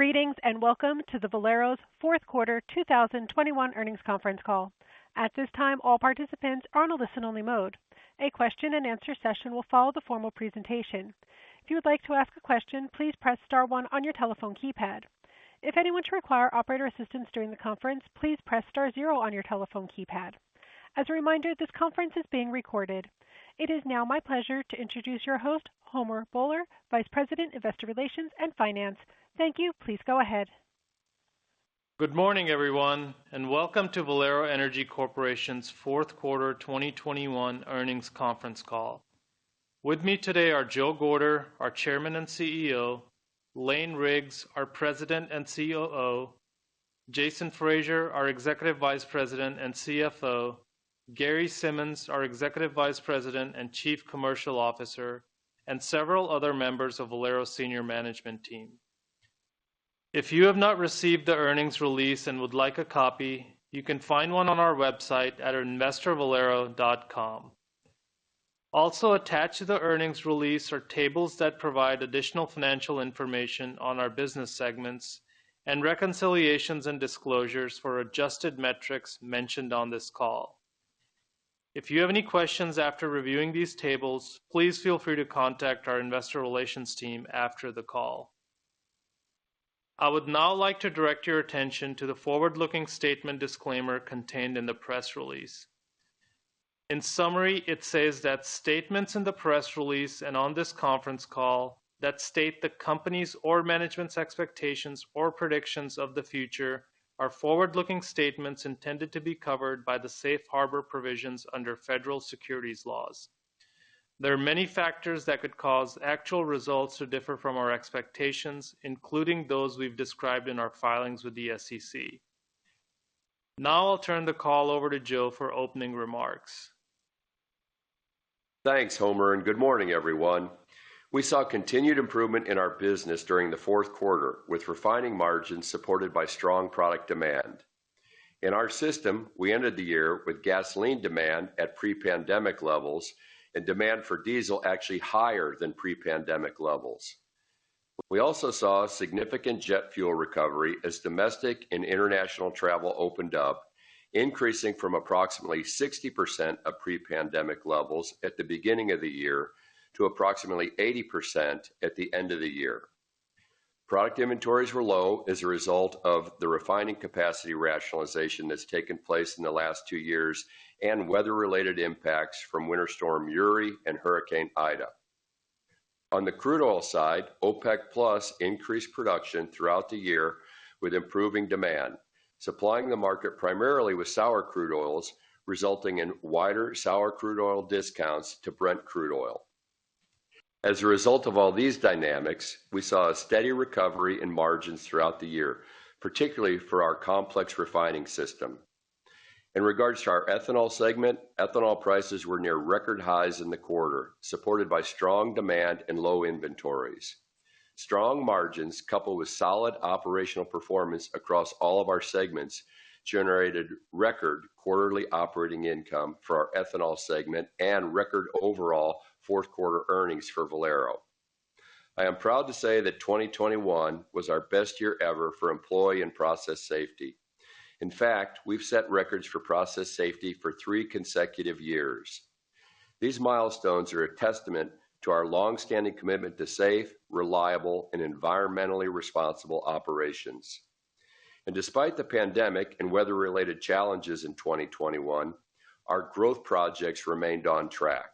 Greetings, and welcome to Valero's fourth quarter 2021 earnings conference call. At this time, all participants are on a listen-only mode. A question-and-answer session will follow the formal presentation. If you would like to ask a question, please press star one on your telephone keypad. If anyone should require operator assistance during the conference, please press star zero on your telephone keypad. As a reminder, this conference is being recorded. It is now my pleasure to introduce your host, Homer Bhullar, Vice President, Investor Relations and Finance. Thank you. Please go ahead. Good morning, everyone, and welcome to Valero Energy Corporation's fourth quarter 2021 earnings conference call. With me today are Joe Gorder, our Chairman and CEO, Lane Riggs, our President and COO, Jason Fraser, our Executive Vice President and CFO, Gary Simmons, our Executive Vice President and Chief Commercial Officer, and several other members of Valero's senior management team. If you have not received the earnings release and would like a copy, you can find one on our website at investorvalero.com. Also attached to the earnings release are tables that provide additional financial information on our business segments and reconciliations and disclosures for adjusted metrics mentioned on this call. If you have any questions after reviewing these tables, please feel free to contact our investor relations team after the call. I would now like to direct your attention to the forward-looking statement disclaimer contained in the press release. In summary, it says that statements in the press release and on this conference call that state the company's or management's expectations or predictions of the future are forward-looking statements intended to be covered by the safe harbor provisions under federal securities laws. There are many factors that could cause actual results to differ from our expectations, including those we've described in our filings with the SEC. Now I'll turn the call over to Joe for opening remarks. Thanks, Homer, and good morning, everyone. We saw continued improvement in our business during the fourth quarter, with refining margins supported by strong product demand. In our system, we ended the year with gasoline demand at pre-pandemic levels and demand for diesel actually higher than pre-pandemic levels. We also saw a significant jet fuel recovery as domestic and international travel opened up, increasing from approximately 60% of pre-pandemic levels at the beginning of the year to approximately 80% at the end of the year. Product inventories were low as a result of the refining capacity rationalization that's taken place in the last two years and weather-related impacts from Winter Storm Uri and Hurricane Ida. On the crude oil side, OPEC Plus increased production throughout the year with improving demand, supplying the market primarily with sour crude oils, resulting in wider sour crude oil discounts to Brent crude oil. As a result of all these dynamics, we saw a steady recovery in margins throughout the year, particularly for our complex refining system. In regards to our ethanol segment, ethanol prices were near record highs in the quarter, supported by strong demand and low inventories. Strong margins coupled with solid operational performance across all of our segments generated record quarterly operating income for our ethanol segment and record overall fourth quarter earnings for Valero. I am proud to say that 2021 was our best year ever for employee and process safety. In fact, we've set records for process safety for three consecutive years. These milestones are a testament to our long-standing commitment to safe, reliable, and environmentally responsible operations. Despite the pandemic and weather-related challenges in 2021, our growth projects remained on track.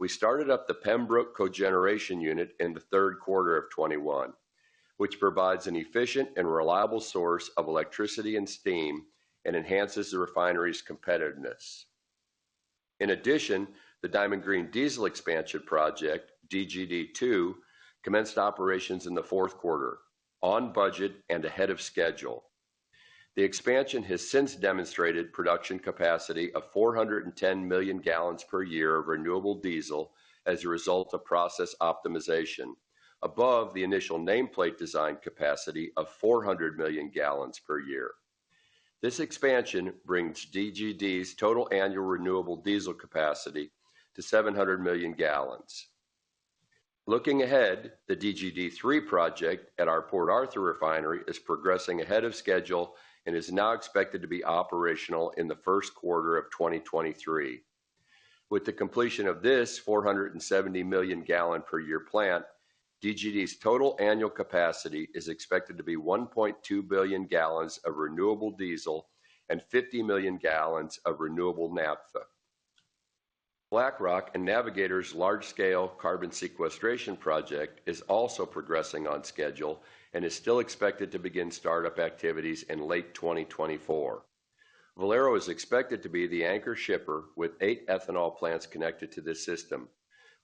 We started up the Pembroke Cogeneration unit in the third quarter of 2021, which provides an efficient and reliable source of electricity and steam and enhances the refinery's competitiveness. In addition, the Diamond Green Diesel expansion project, DGD Two, commenced operations in the fourth quarter on budget and ahead of schedule. The expansion has since demonstrated production capacity of 410 million gallons per year of renewable diesel as a result of process optimization above the initial nameplate design capacity of 400 million gallons per year. This expansion brings DGD's total annual renewable diesel capacity to 700 million gallons. Looking ahead, the DGD Three project at our Port Arthur refinery is progressing ahead of schedule and is now expected to be operational in the first quarter of 2023. With the completion of this 470 million gallon per year plant, DGD's total annual capacity is expected to be 1.2 billion gallons of renewable diesel and 50 million gallons of renewable naphtha. BlackRock and Navigator's large-scale carbon sequestration project is also progressing on schedule and is still expected to begin startup activities in late 2024. Valero is expected to be the anchor shipper with eight ethanol plants connected to this system,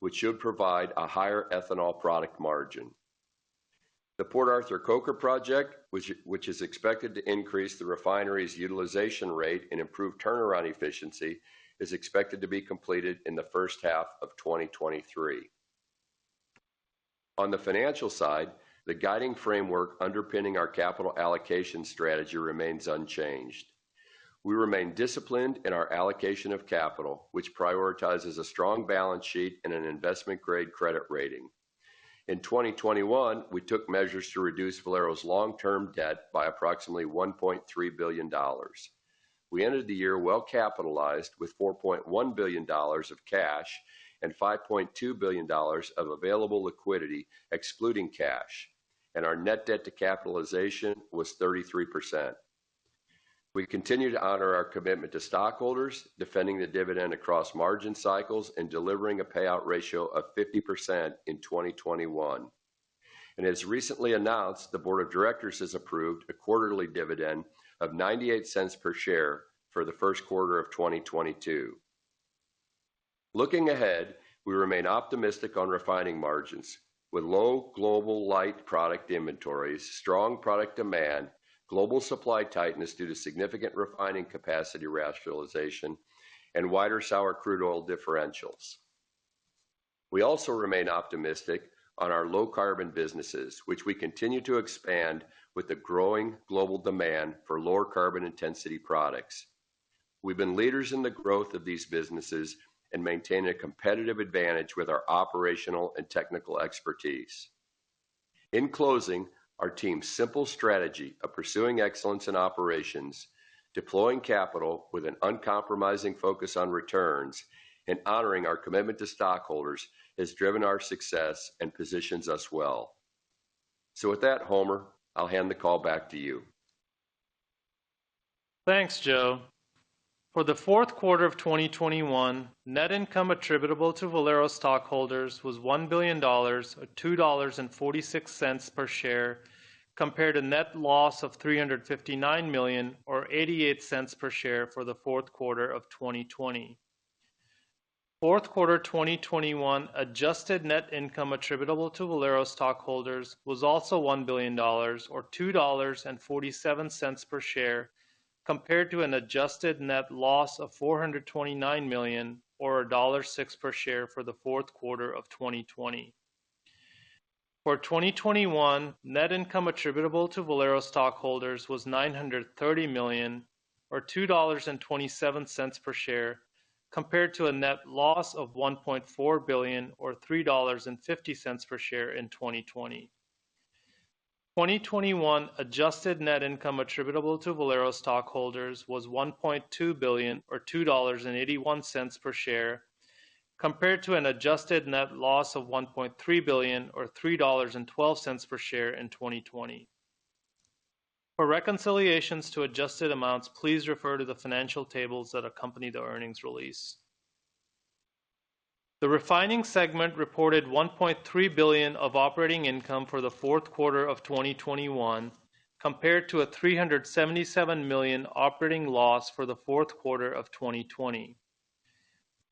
which should provide a higher ethanol product margin. The Port Arthur Coker Project, which is expected to increase the refinery's utilization rate and improve turnaround efficiency, is expected to be completed in the first half of 2023. On the financial side, the guiding framework underpinning our capital allocation strategy remains unchanged. We remain disciplined in our allocation of capital, which prioritizes a strong balance sheet and an investment-grade credit rating. In 2021, we took measures to reduce Valero's long-term debt by approximately $1.3 billion. We ended the year well-capitalized with $4.1 billion of cash and $5.2 billion of available liquidity excluding cash, and our net debt to capitalization was 33%. We continue to honor our commitment to stockholders, defending the dividend across margin cycles, and delivering a payout ratio of 50% in 2021. And as recently announced, the board of directors has approved a quarterly dividend of $0.98 per share for the first quarter of 2022. Looking ahead, we remain optimistic on refining margins with low global light product inventories, strong product demand, global supply tightness due to significant refining capacity rationalization, and wider sour crude oil differentials. We also remain optimistic on our low carbon businesses, which we continue to expand with the growing global demand for lower carbon intensity products. We've been leaders in the growth of these businesses and maintain a competitive advantage with our operational and technical expertise. In closing, our team's simple strategy of pursuing excellence in operations, deploying capital with an uncompromising focus on returns, and honoring our commitment to stockholders has driven our success and positions us well. So with that, Homer, I'll hand the call back to you. Thanks, Joe. For the fourth quarter of 2021, net income attributable to Valero stockholders was $1 billion or $2.46 per share compared to net loss of $359 million or $0.88 per share for the fourth quarter of 2020. Fourth quarter 2021 adjusted net income attributable to Valero stockholders was also $1 billion or $2.47 per share compared to an adjusted net loss of $429 million or $1.06 per share for the fourth quarter of 2020. For 2021, net income attributable to Valero stockholders was $930 million or $2.27 per share compared to a net loss of $1.4 billion or $3.50 per share in 2020. 2021 adjusted net income attributable to Valero stockholders was $1.2 billion or $2.81 per share compared to an adjusted net loss of $1.3 billion or $3.12 per share in 2020. For reconciliations to adjusted amounts, please refer to the financial tables that accompany the earnings release. The Refining segment reported $1.3 billion of operating income for the fourth quarter of 2021 compared to a $377 million operating loss for the fourth quarter of 2020.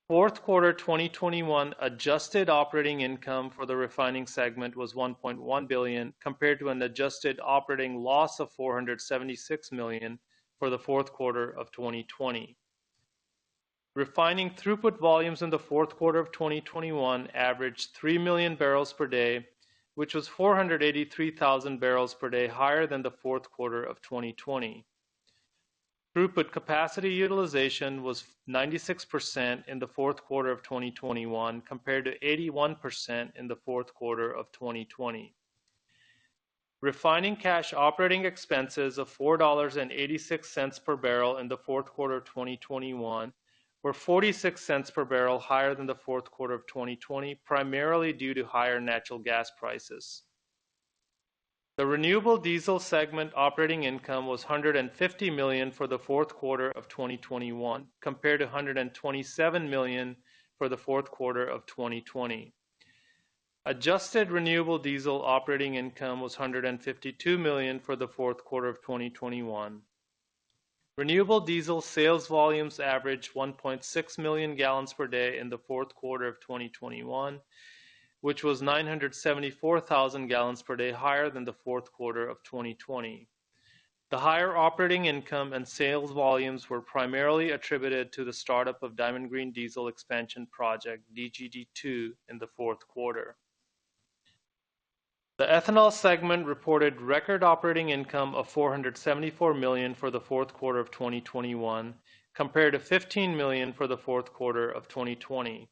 Fourth quarter 2021 adjusted operating income for the Refining segment was $1.1 billion compared to an adjusted operating loss of $476 million for the fourth quarter of 2020. Refining throughput volumes in the fourth quarter of 2021 averaged 3 million barrels per day, which was 483,000 barrels per day higher than the fourth quarter of 2020. Throughput capacity utilization was 96% in the fourth quarter of 2021 compared to 81% in the fourth quarter of 2020. Refining cash operating expenses of $4.86 per barrel in the fourth quarter of 2021 were $0.46 per barrel higher than the fourth quarter of 2020, primarily due to higher natural gas prices. The renewable diesel segment operating income was $150 million for the fourth quarter of 2021 compared to $127 million for the fourth quarter of 2020. Adjusted renewable diesel operating income was $152 million for the fourth quarter of 2021. Renewable diesel sales volumes averaged 1.6 million gallons per day in the fourth quarter of 2021, which was 974,000 gallons per day higher than the fourth quarter of 2020. The higher operating income and sales volumes were primarily attributed to the startup of Diamond Green Diesel expansion project DGD Two in the fourth quarter. The ethanol segment reported record operating income of $474 million for the fourth quarter of 2021 compared to $15 million for the fourth quarter of 2020.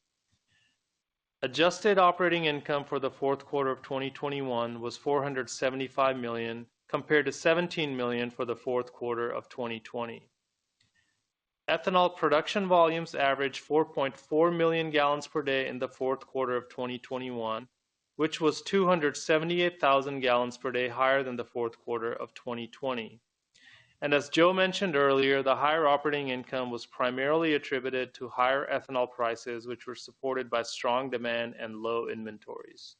Adjusted operating income for the fourth quarter of 2021 was $475 million compared to $17 million for the fourth quarter of 2020. Ethanol production volumes averaged 4.4 million gallons per day in the fourth quarter of 2021, which was 278,000 gallons per day higher than the fourth quarter of 2020. As Joe mentioned earlier, the higher operating income was primarily attributed to higher ethanol prices, which were supported by strong demand and low inventories.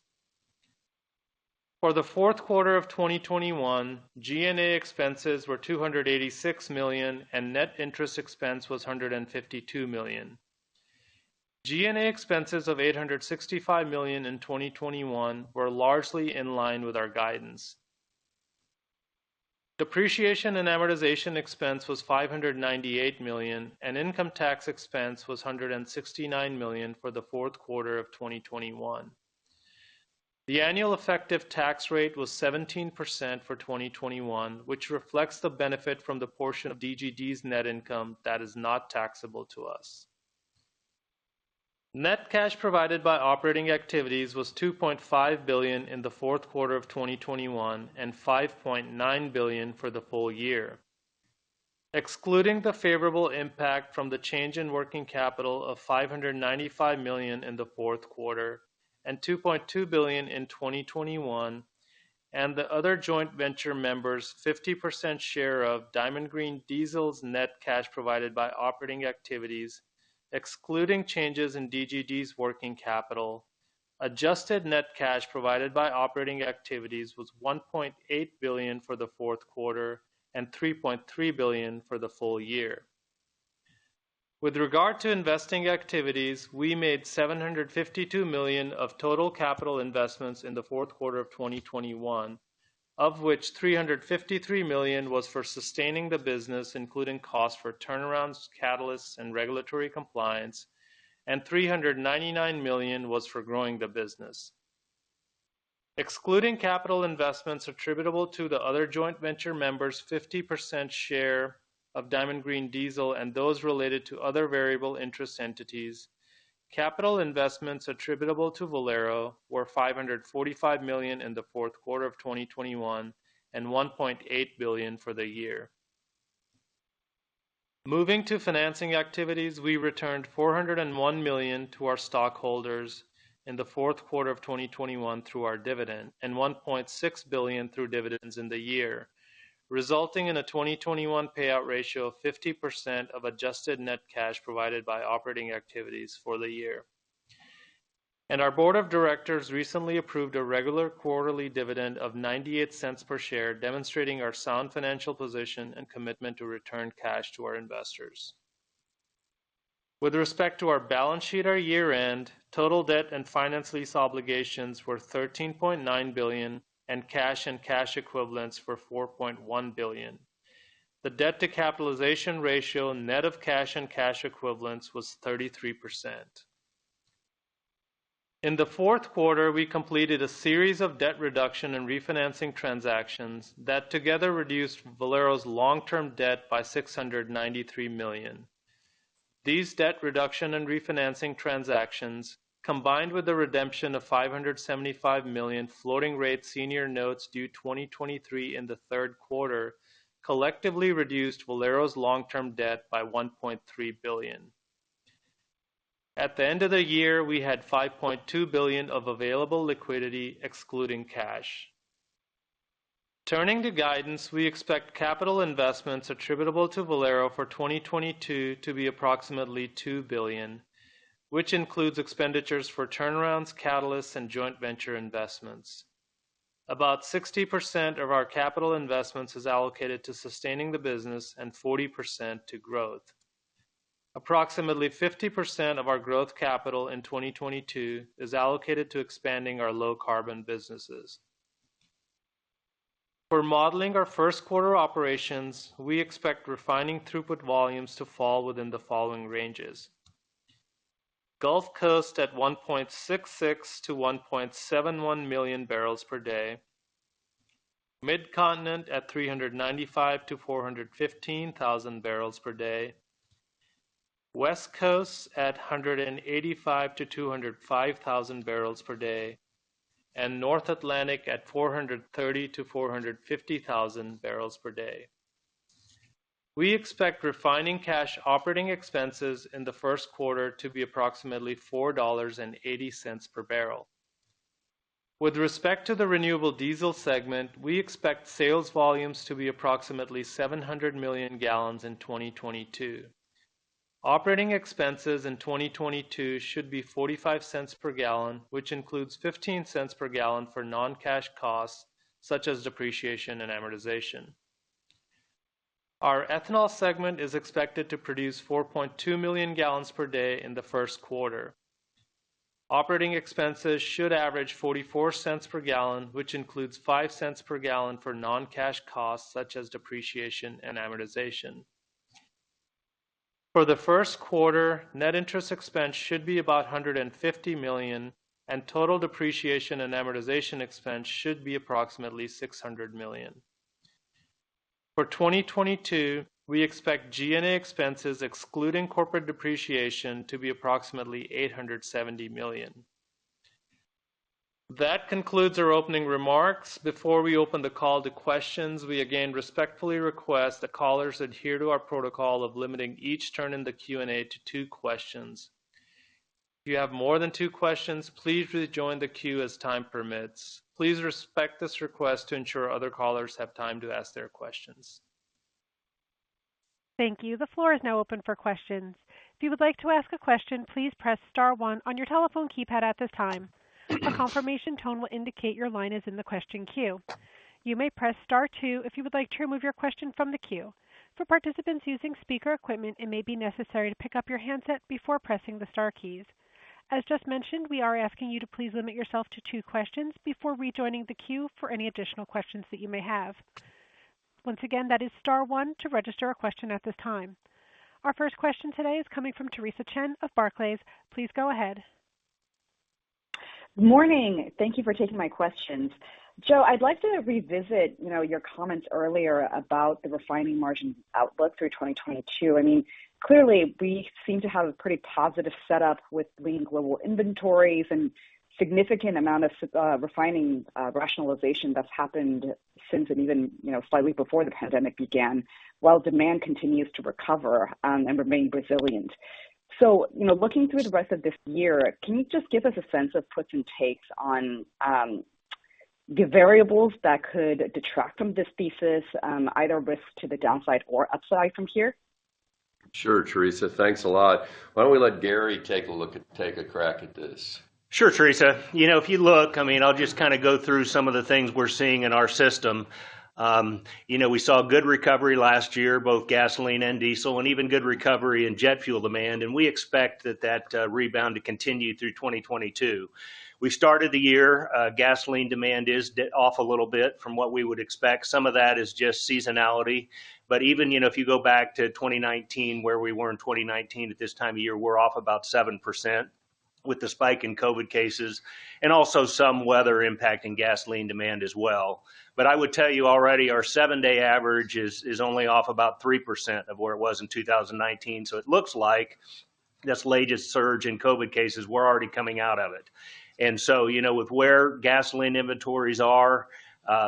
For the fourth quarter of 2021, G&A expenses were $286 million, and net interest expense was $152 million. G&A expenses of $865 million in 2021 were largely in line with our guidance. Depreciation and amortization expense was $598 million, and income tax expense was $169 million for the fourth quarter of 2021. The annual effective tax rate was 17% for 2021, which reflects the benefit from the portion of DGD's net income that is not taxable to us. Net cash provided by operating activities was $2.5 billion in the fourth quarter of 2021 and $5.9 billion for the full year. Excluding the favorable impact from the change in working capital of $595 million in the fourth quarter and $2.2 billion in 2021, and the other joint venture members' 50% share of Diamond Green Diesel's net cash provided by operating activities, excluding changes in DGD's working capital, adjusted net cash provided by operating activities was $1.8 billion for the fourth quarter and $3.3 billion for the full year. With regard to investing activities, we made $752 million of total capital investments in the fourth quarter of 2021, of which $353 million was for sustaining the business, including costs for turnarounds, catalysts, and regulatory compliance, and $399 million was for growing the business. Excluding capital investments attributable to the other joint venture members' 50% share of Diamond Green Diesel and those related to other variable interest entities, capital investments attributable to Valero were $545 million in the fourth quarter of 2021 and $1.8 billion for the year. Moving to financing activities, we returned $401 million to our stockholders in the fourth quarter of 2021 through our dividend and $1.6 billion through dividends in the year, resulting in a 2021 payout ratio of 50% of adjusted net cash provided by operating activities for the year. And our board of directors recently approved a regular quarterly dividend of $0.98 per share, demonstrating our sound financial position and commitment to return cash to our investors. With respect to our balance sheet at year-end, total debt and finance lease obligations were $13.9 billion, and cash and cash equivalents were $4.1 billion. The debt-to-capitalization ratio, net of cash and cash equivalents, was 33%. In the fourth quarter, we completed a series of debt reduction and refinancing transactions that together reduced Valero's long-term debt by $693 million. These debt reduction and refinancing transactions, combined with the redemption of $575 million floating rate senior notes due 2023 in the third quarter, collectively reduced Valero's long-term debt by $1.3 billion. At the end of the year, we had $5.2 billion of available liquidity excluding cash. Turning to guidance, we expect capital investments attributable to Valero for 2022 to be approximately $2 billion, which includes expenditures for turnarounds, catalysts, and joint venture investments. About 60% of our capital investments is allocated to sustaining the business and 40% to growth. Approximately 50% of our growth capital in 2022 is allocated to expanding our low carbon businesses. For modeling our first quarter operations, we expect refining throughput volumes to fall within the following ranges. Gulf Coast at 1.66 million barrels to 1.71 million barrels per day, Mid-Continent at 395 thousand barrels to 415 thousand barrels per day, West Coast at 185 thousand barrels to 205 thousand barrels per day, and North Atlantic at 430 thousand barrels to 450 thousand barrels per day. We expect refining cash operating expenses in the first quarter to be approximately $4.80 per barrel. With respect to the renewable diesel segment, we expect sales volumes to be approximately 700 million gallons in 2022. Operating expenses in 2022 should be $0.45 per gallon, which includes $0.15 per gallon for non-cash costs such as depreciation and amortization. Our ethanol segment is expected to produce 4.2 million gallons per day in the first quarter. Operating expenses should average $0.44 per gallon, which includes $0.05 per gallon for non-cash costs such as depreciation and amortization. For the first quarter, net interest expense should be about $150 million, and total depreciation and amortization expense should be approximately $600 million. For 2022, we expect G&A expenses excluding corporate depreciation to be approximately $870 million. That concludes our opening remarks. Before we open the call to questions, we again respectfully request that callers adhere to our protocol of limiting each turn in the Q&A to two questions. If you have more than two questions, please rejoin the queue as time permits. Please respect this request to ensure other callers have time to ask their questions. Thank you. The floor is now open for questions. If you would like to ask a question, please press star one on your telephone keypad at this time. A confirmation tone will indicate your line is in the question queue. You may press star two if you would like to remove your question from the queue. For participants using speaker equipment, it may be necessary to pick up your handset before pressing the star keys. As just mentioned, we are asking you to please limit yourself to two questions before rejoining the queue for any additional questions that you may have. Once again, that is star one to register a question at this time. Our first question today is coming from Theresa Chen of Barclays. Please go ahead. Morning. Thank you for taking my questions. Joe, I'd like to revisit, you know, your comments earlier about the refining margin outlook through 2022. I mean, clearly we seem to have a pretty positive setup with leading global inventories and significant amount of refining rationalization that's happened since and even, you know, slightly before the pandemic began, while demand continues to recover and remain resilient. So, you know, looking through the rest of this year, can you just give us a sense of puts and takes on the variables that could detract from this thesis, either risk to the downside or upside from here? Sure, Theresa. Thanks a lot. Why don't we let Gary take a crack at this? Sure, Theresa. You know, if you look, I mean, I'll just kind of go through some of the things we're seeing in our system. You know, we saw a good recovery last year, both gasoline and diesel, and even good recovery in jet fuel demand, and we expect that rebound to continue through 2022. We started the year, gasoline demand off a little bit from what we would expect. Some of that is just seasonality. Even, you know, if you go back to 2019, where we were in 2019 at this time of year, we're off about 7% with the spike in COVID cases and also some weather impacting gasoline demand as well. I would tell you already our seven-day average is only off about 3% of where it was in 2019. It looks like this latest surge in COVID cases. We're already coming out of it. And so, you know, with where gasoline inventories are,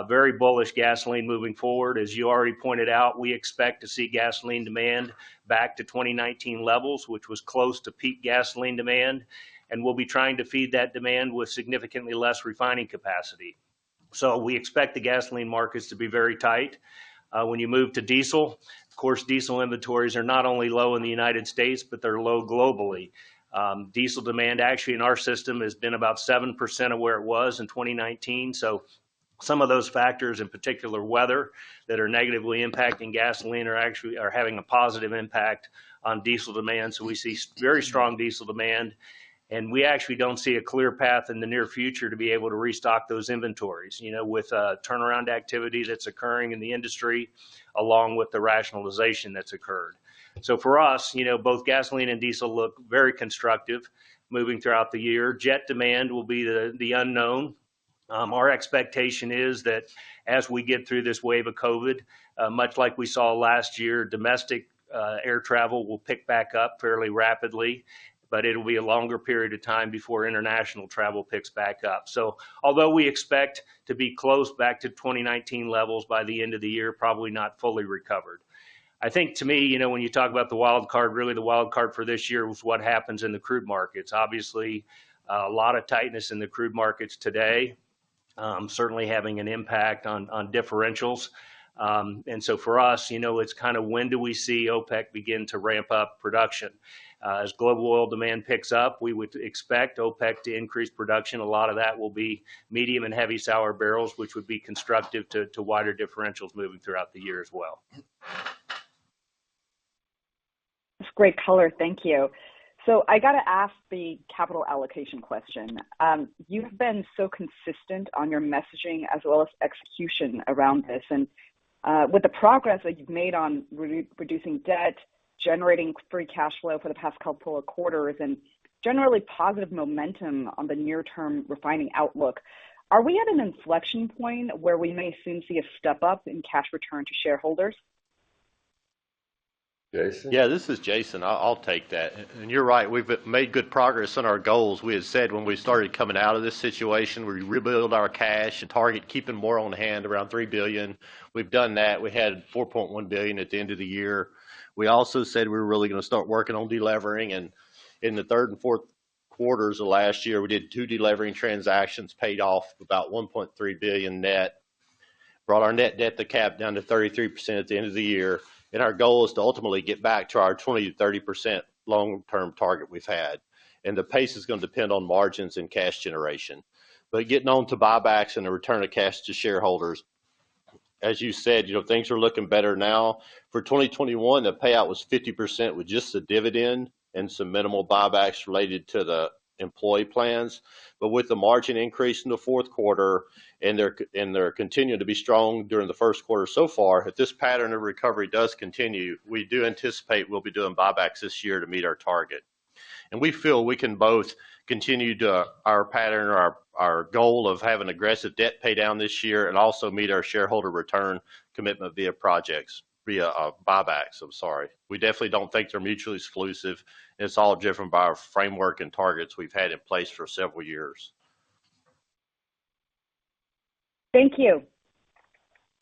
very bullish gasoline moving forward. As you already pointed out, we expect to see gasoline demand back to 2019 levels, which was close to peak gasoline demand, and we'll be trying to feed that demand with significantly less refining capacity. So we expect the gasoline markets to be very tight. When you move to diesel, of course, diesel inventories are not only low in the United States, but they're low globally. Diesel demand actually in our system has been about 7% of where it was in 2019. So some of those factors, in particular weather, that are negatively impacting gasoline are actually having a positive impact on diesel demand. We see very strong diesel demand, and we actually don't see a clear path in the near future to be able to restock those inventories, you know, with turnaround activity that's occurring in the industry, along with the rationalization that's occurred. So for us, you know, both gasoline and diesel look very constructive moving throughout the year. Jet demand will be the unknown. Our expectation is that as we get through this wave of COVID, much like we saw last year, domestic air travel will pick back up fairly rapidly, but it'll be a longer period of time before international travel picks back up. So although we expect to be close back to 2019 levels by the end of the year, probably not fully recovered. I think to me, you know, when you talk about the wild card, really the wild card for this year was what happens in the crude markets. Obviously, a lot of tightness in the crude markets today, certainly having an impact on differentials. And so for us, you know, it's kind of when do we see OPEC begin to ramp up production? As global oil demand picks up, we would expect OPEC to increase production. A lot of that will be medium and heavy sour barrels, which would be constructive to wider differentials moving throughout the year as well. That's great color. Thank you. So I got to ask the capital allocation question. You've been so consistent on your messaging as well as execution around this. With the progress that you've made on re-reducing debt, generating free cash flow for the past couple of quarters and generally positive momentum on the near term refining outlook, are we at an inflection point where we may soon see a step-up in cash return to shareholders? Jason? Yeah, this is Jason. I'll take that. You're right, we've made good progress on our goals. We had said when we started coming out of this situation, we rebuild our cash to target keeping more on hand around $3 billion. We've done that. We had $4.1 billion at the end of the year. We also said we're really gonna start working on delevering. In the third and fourth quarters of last year, we did two delevering transactions, paid off about $1.3 billion net. Brought our net debt to cap down to 33% at the end of the year. Our goal is to ultimately get back to our 20%-30% long-term target we've had. The pace is gonna depend on margins and cash generation. Getting on to buybacks and the return of cash to shareholders, as you said, you know, things are looking better now. For 2021, the payout was 50% with just the dividend and some minimal buybacks related to the employee plans. But with the margin increase in the fourth quarter, and they're continuing to be strong during the first quarter so far, if this pattern of recovery does continue, we do anticipate we'll be doing buybacks this year to meet our target. And we feel we can both continue to our pattern or our goal of having aggressive debt paydown this year and also meet our shareholder return commitment via projects, via buybacks, I'm sorry. We definitely don't think they're mutually exclusive, and it's all driven by our framework and targets we've had in place for several years. Thank you.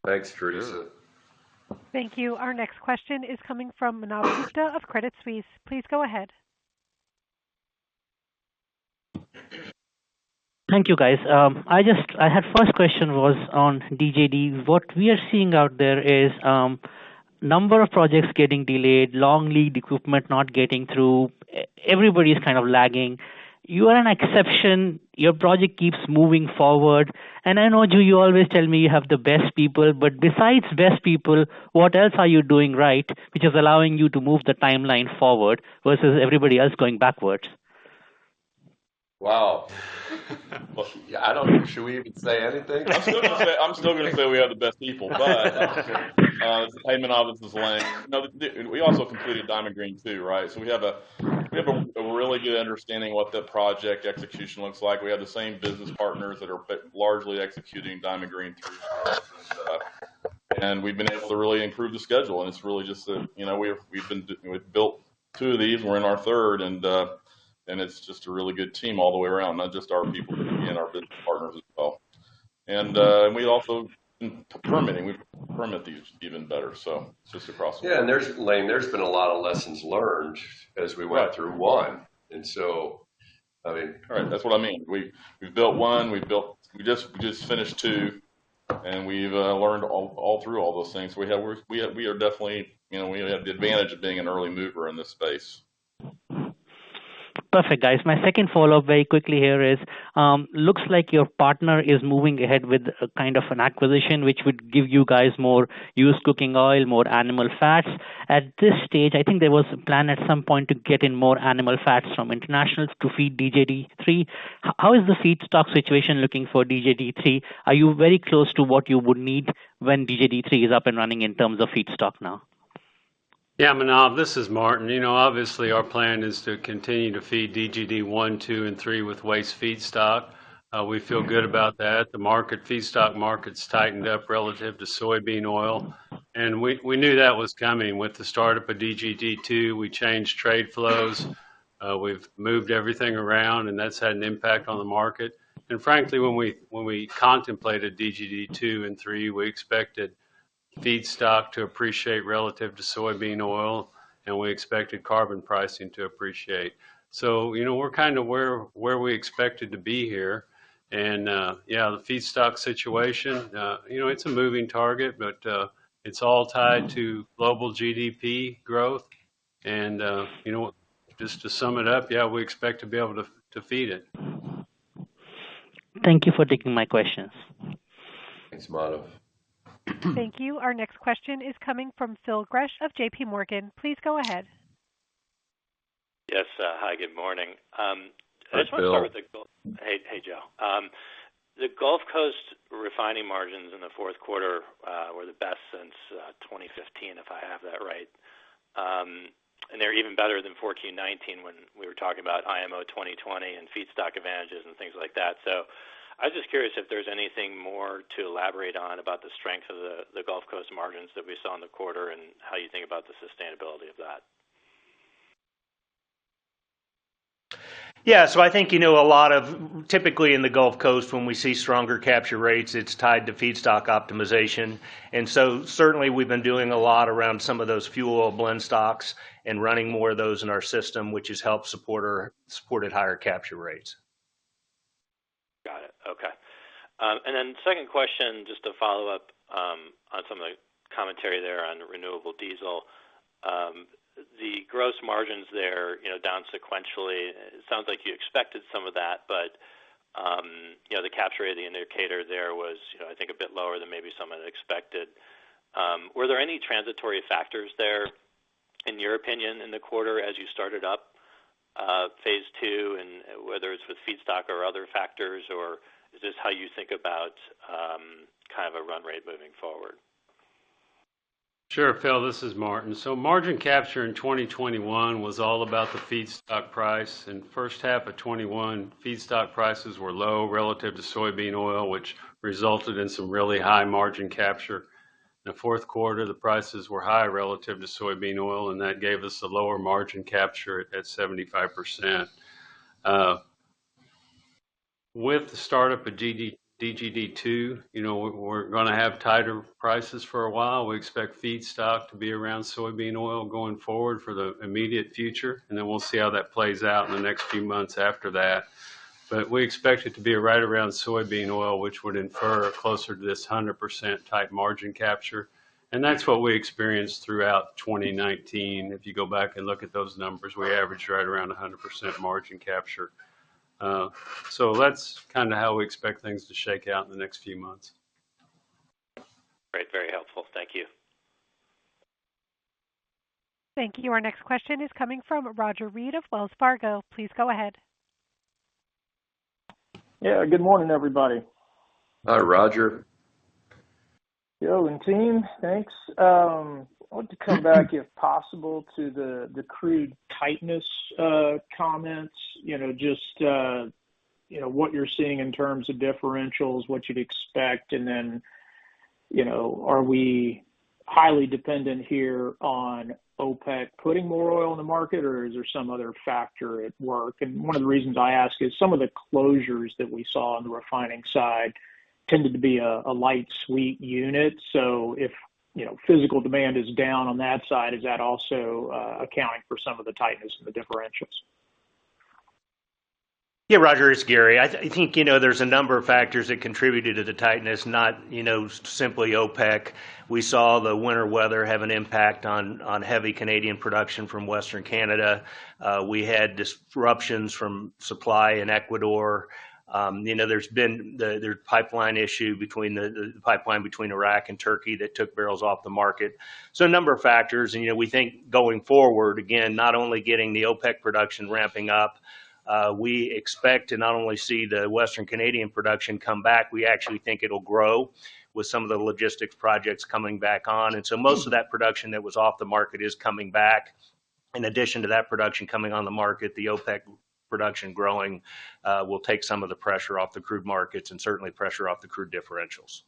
Thanks, Theresa. Thank you. Our next question is coming from Manav Gupta of Credit Suisse. Please go ahead. Thank you, guys. My first question was on DGD. What we are seeing out there is a number of projects getting delayed, long lead equipment not getting through. Everybody is kind of lagging. You are an exception. Your project keeps moving forward. I know you always tell me you have the best people, but besides best people, what else are you doing right, which is allowing you to move the timeline forward versus everybody else going backwards? Wow. Well, I don't know. Should we even say anything? I'm still gonna say we have the best people. As Homer Bhullar was saying. No, we also completed Diamond Green Diesel too, right? We have a really good understanding of what the project execution looks like. We have the same business partners that are primarily executing Diamond Green Diesel Three. We've been able to really improve the schedule. You know, we've built two of these, and we're in our third, and it's just a really good team all the way around, not just our people and our business partners as well. We also do permitting. We permit these even better, so just across. Yeah, Lane, there's been a lot of lessons learned as we went through one, and so, I mean. All right. That's what I mean. We've built one. We just finished two, and we've learned all through all those things. We are definitely. You know, we have the advantage of being an early mover in this space. Perfect, guys. My second follow-up very quickly here is, looks like your partner is moving ahead with kind of an acquisition which would give you guys more used cooking oil, more animal fats. At this stage, I think there was a plan at some point to get in more animal fats from internationals to feed DGD Three. How is the feedstock situation looking for DGD Three? Are you very close to what you would need when DGD Three is up and running in terms of feedstock now? Yeah, Manav, this is Martin. You know, obviously our plan is to continue to feed DGD One, Two, and Three with waste feedstock. We feel good about that. The feedstock market's tightened up relative to soybean oil. We knew that was coming. With the startup of DGD Two, we changed trade flows. We've moved everything around, and that's had an impact on the market. Frankly, when we contemplated DGD Two and Three, we expected feedstock to appreciate relative to soybean oil, and we expected carbon pricing to appreciate. You know, we're kind of where we expected to be here. Yeah, the feedstock situation, you know, it's a moving target, but it's all tied to global GDP growth. You know what? Just to sum it up, yeah, we expect to be able to feed it. Thank you for taking my questions. Thanks, Manav. Thank you. Our next question is coming from Phil Gresh of JP Morgan. Please go ahead. Yes. Hi, good morning. Hi, Phil. I just want to start with Hey, hey, Joe. The Gulf Coast refining margins in the fourth quarter were the best since 2015, if I have that right. They're even better than 2019 when we were talking about IMO 2020 and feedstock advantages and things like that. I was just curious if there's anything more to elaborate on about the strength of the Gulf Coast margins that we saw in the quarter and how you think about the sustainability of that. Yeah. So I think in a lot, typically in the Gulf Coast, when we see stronger capture rates, it's tied to feedstock optimization. And so certainly we've been doing a lot around some of those fuel oil blend stocks and running more of those in our system, which has helped support higher capture rates. Got it. Okay. Second question, just to follow up, on some of the commentary there on renewable diesel. The gross margins there, you know, down sequentially. It sounds like you expected some of that. You know, the capture rate, the indicator there was, you know, I think a bit lower than maybe some had expected. Were there any transitory factors there, in your opinion, in the quarter as you started up phase two? Whether it's with feedstock or other factors, or is this how you think about kind of a run rate moving forward? Sure, Phil, this is Martin. Margin capture in 2021 was all about the feedstock price. In the first half of 2021, feedstock prices were low relative to soybean oil, which resulted in some really high margin capture. In the fourth quarter, the prices were high relative to soybean oil, and that gave us a lower margin capture at 75%. With the startup of DGD Two, you know, we're gonna have tighter prices for a while. We expect feedstock to be around soybean oil going forward for the immediate future, and then we'll see how that plays out in the next few months after that. We expect it to be right around soybean oil, which would infer closer to 100% tight margin capture. That's what we experienced throughout 2019. If you go back and look at those numbers, we averaged right around 100% margin capture. That's kind of how we expect things to shake out in the next few months. Great. Very helpful. Thank you. Thank you. Our next question is coming from Roger Read of Wells Fargo. Please go ahead. Yeah. Good morning, everybody. Hi, Roger. Joe and team, thanks. I want to come back, if possible, to the crude tightness comments. You know, just, you know, what you're seeing in terms of differentials, what you'd expect, and then, you know, are we highly dependent here on OPEC putting more oil in the market, or is there some other factor at work? One of the reasons I ask is some of the closures that we saw on the refining side tended to be a light sweet unit. So if, you know, physical demand is down on that side, is that also accounting for some of the tightness in the differentials? Yeah, Roger, it's Gary. I think, you know, there's a number of factors that contributed to the tightness, not, you know, simply OPEC. We saw the winter weather have an impact on heavy Canadian production from Western Canada. We had disruptions from supply in Ecuador. You know, there's been the pipeline issue between Iraq and Turkey that took barrels off the market. So a number of factors. You know, we think going forward, again, not only getting the OPEC production ramping up. We expect to not only see the Western Canadian production come back, we actually think it'll grow with some of the logistics projects coming back on. Most of that production that was off the market is coming back. In addition to that production coming on the market, the OPEC production growing will take some of the pressure off the crude markets and certainly pressure off the crude differentials.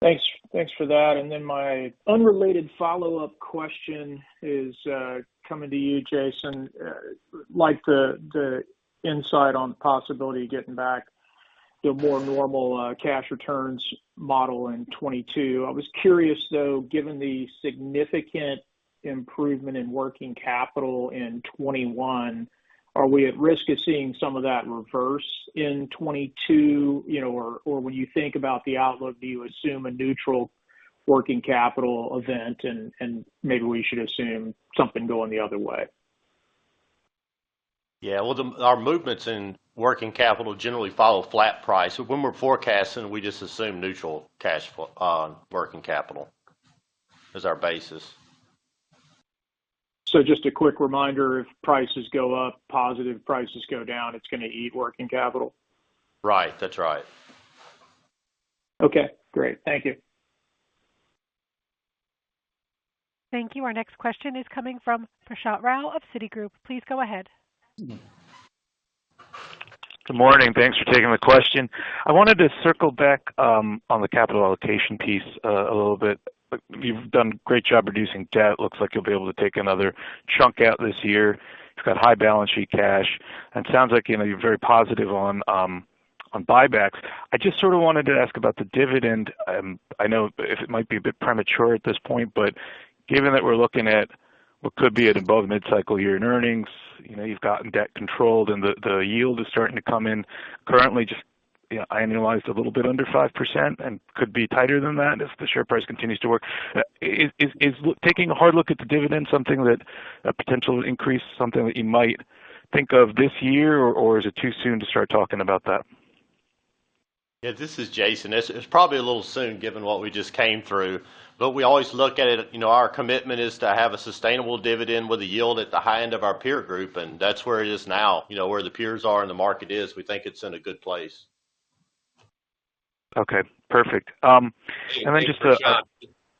Thanks. Thanks for that. Then my unrelated follow-up question is coming to you, Jason. Like the insight on the possibility of getting back to a more normal cash returns model in 2022. I was curious, though, given the significant improvement in working capital in 2021, are we at risk of seeing some of that reverse in 2022? You know, or when you think about the outlook, do you assume a neutral working capital event and maybe we should assume something going the other way? Well, our movements in working capital generally follow flat price. When we're forecasting, we just assume neutral working capital as our basis. Just a quick reminder, if prices go up, positive. Prices go down, it's gonna eat working capital. Right. That's right. Okay, great. Thank you. Thank you. Our next question is coming from Prashant Rao of Citigroup. Please go ahead. Good morning. Thanks for taking the question. I wanted to circle back on the capital allocation piece a little bit. You've done a great job reducing debt. Looks like you'll be able to take another chunk out this year. You've got high balance sheet cash, and sounds like, you know, you're very positive on buybacks. I just sort of wanted to ask about the dividend. I know it might be a bit premature at this point, but given that we're looking at what could be an above mid-cycle year in earnings, you know, you've gotten debt controlled and the yield is starting to come in currently just, you know, annualized a little bit under 5% and could be tighter than that as the share price continues to work. Is taking a hard look at the dividend something that you might think of this year, or is it too soon to start talking about that? Yeah, this is Jason. It's probably a little soon given what we just came through, but we always look at it, you know, our commitment is to have a sustainable dividend with a yield at the high end of our peer group, and that's where it is now. You know, where the peers are and the market is, we think it's in a good place. Okay, perfect. Prashant. Yeah.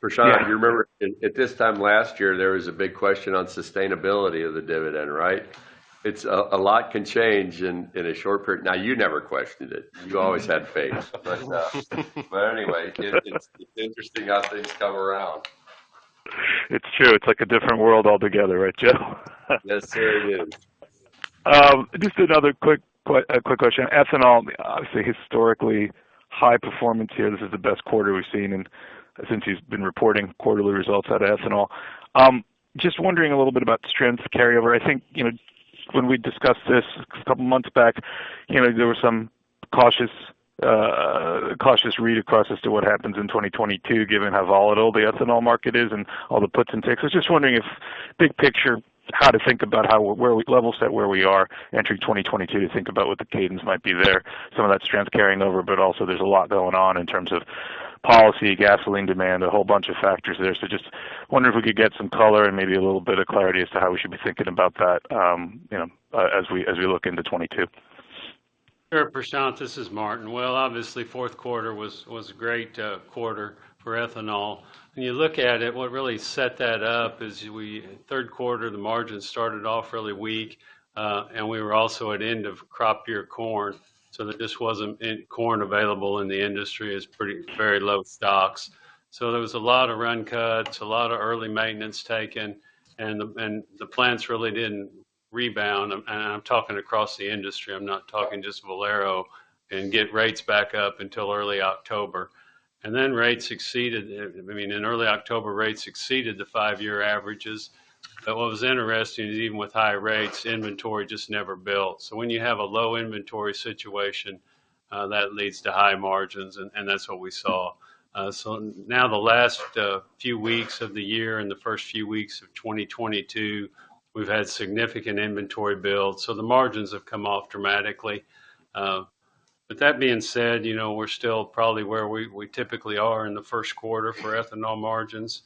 Prashant, you remember at this time last year, there was a big question on sustainability of the dividend, right? A lot can change in a short period. Now, you never questioned it. You always had faith. Anyway, it's interesting how things come around. It's true. It's like a different world altogether, right, Joe? Yes, sure is. Just another quick question. Ethanol, obviously historically high performance here. This is the best quarter we've seen since you've been reporting quarterly results out of ethanol. Just wondering a little bit about the strength carryover. I think, you know, when we discussed this a couple months back, you know, there was some cautious read across as to what happens in 2022, given how volatile the ethanol market is and all the puts and takes. I was just wondering if big picture, how to think about where we are level set entering 2022 to think about what the cadence might be there. Some of that strength carrying over, but also there's a lot going on in terms of policy, gasoline demand, a whole bunch of factors there. I just wonder if we could get some color and maybe a little bit of clarity as to how we should be thinking about that, you know, as we look into 2022. Sure, Prashant, this is Martin. Well, obviously, fourth quarter was a great quarter for ethanol. When you look at it, what really set that up is third quarter, the margins started off really weak, and we were also at end of crop year corn, so that just wasn't enough corn available in the industry. It was pretty very low stocks. There was a lot of run cuts, a lot of early maintenance taken, and the plants really didn't rebound. I'm talking across the industry, I'm not talking just Valero, and get rates back up until early October. Rates exceeded. I mean, in early October, rates exceeded the five-year averages. What was interesting is even with high rates, inventory just never built. When you have a low inventory situation, that leads to high margins, and that's what we saw. Now the last few weeks of the year and the first few weeks of 2022, we've had significant inventory build, so the margins have come off dramatically. That being said, you know, we're still probably where we typically are in the first quarter for ethanol margins.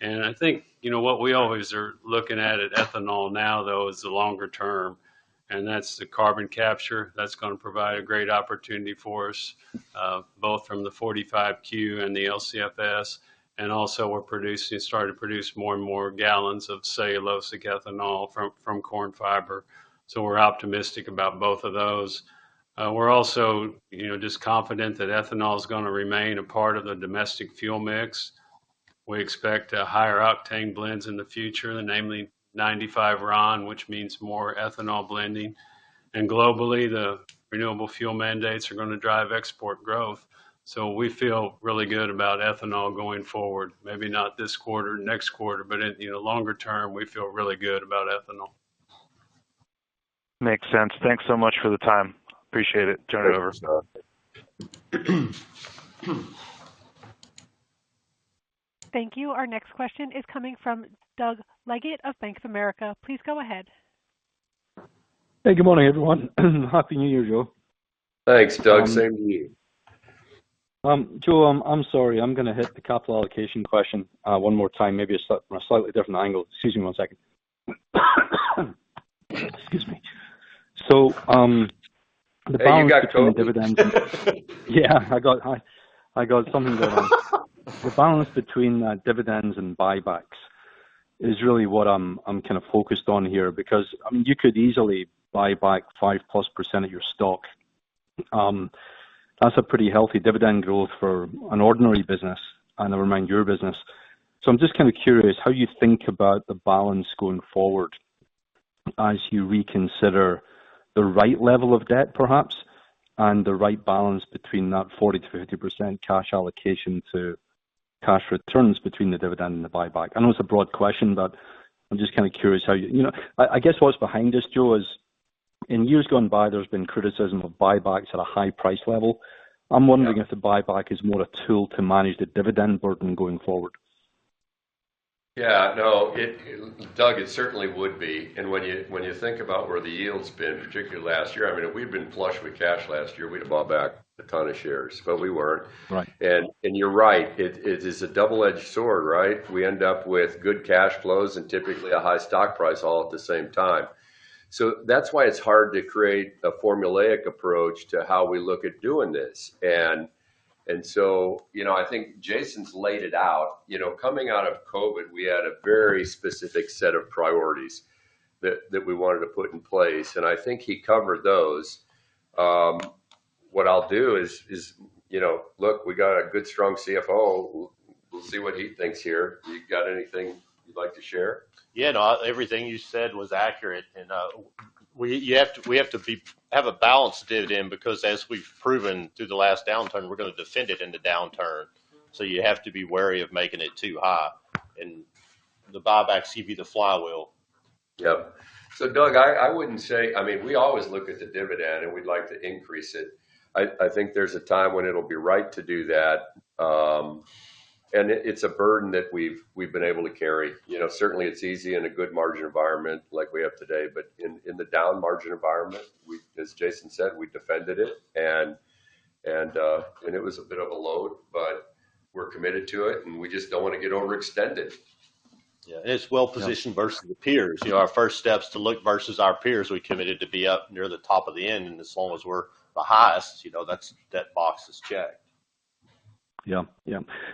I think, you know, what we always are looking at ethanol now, though, is the longer term, and that's the carbon capture that's gonna provide a great opportunity for us, both from the 45Q and the LCFS. Also we're starting to produce more and more gallons of cellulosic ethanol from corn fiber. We're optimistic about both of those. We're also, you know, just confident that ethanol is gonna remain a part of the domestic fuel mix. We expect higher octane blends in the future, namely 95 RON, which means more ethanol blending. Globally, the renewable fuel mandates are gonna drive export growth. We feel really good about ethanol going forward. Maybe not this quarter, next quarter, but in longer term, we feel really good about ethanol. Makes sense. Thanks so much for the time. Appreciate it. Turn it over. Thank you. Our next question is coming from Doug Leggate of Bank of America. Please go ahead. Hey, good morning, everyone. Happy New Year, Joe. Thanks, Doug. Same to you. Joe, I'm sorry. I'm gonna hit the capital allocation question one more time, maybe a slightly different angle. Excuse me one second. Excuse me. The balance between dividends and. There you go, COVID. Yeah, I got something going on. The balance between dividends and buybacks is really what I'm kind of focused on here because, I mean, you could easily buy back +5% of your stock. That's a pretty healthy dividend growth for an ordinary business and never mind your business. I'm just kinda curious how you think about the balance going forward as you reconsider the right level of debt, perhaps, and the right balance between that 40%-50% cash allocation to cash returns between the dividend and the buyback. I know it's a broad question, but I'm just kinda curious how you think. You know, I guess what's behind this, Joe, is in years gone by, there's been criticism of buybacks at a high price level. Yeah. I'm wondering if the buyback is more a tool to manage the dividend burden going forward. Yeah. No, Doug, it certainly would be. When you think about where the yield's been, particularly last year, I mean, if we'd been flush with cash last year, we'd have bought back a ton of shares, but we weren't. Right. You're right. It is a double-edged sword, right? We end up with good cash flows and typically a high stock price all at the same time. That's why it's hard to create a formulaic approach to how we look at doing this. You know, I think Jason's laid it out. You know, coming out of COVID, we had a very specific set of priorities that we wanted to put in place, and I think he covered those. What I'll do is, you know, look, we got a good strong CFO. We'll see what he thinks here. You got anything you'd like to share? Yeah, no. Everything you said was accurate. We have to have a balanced dividend because as we've proven through the last downturn, we're gonna defend it in the downturn. You have to be wary of making it too high. The buybacks give you the flywheel. Yep. Doug, I wouldn't say. I mean, we always look at the dividend, and we'd like to increase it. I think there's a time when it'll be right to do that. It's a burden that we've been able to carry. You know, certainly it's easy in a good margin environment like we have today, but in the down margin environment, as Jason said, we defended it and I mean, it was a bit of a load, but we're committed to it, and we just don't wanna get overextended. Yeah. It's well-positioned. Yeah. Versus the peers. You know, our first step is to look versus our peers. We're committed to be up near the top of the end, and as long as we're the highest, you know, that's that box is checked. Yeah,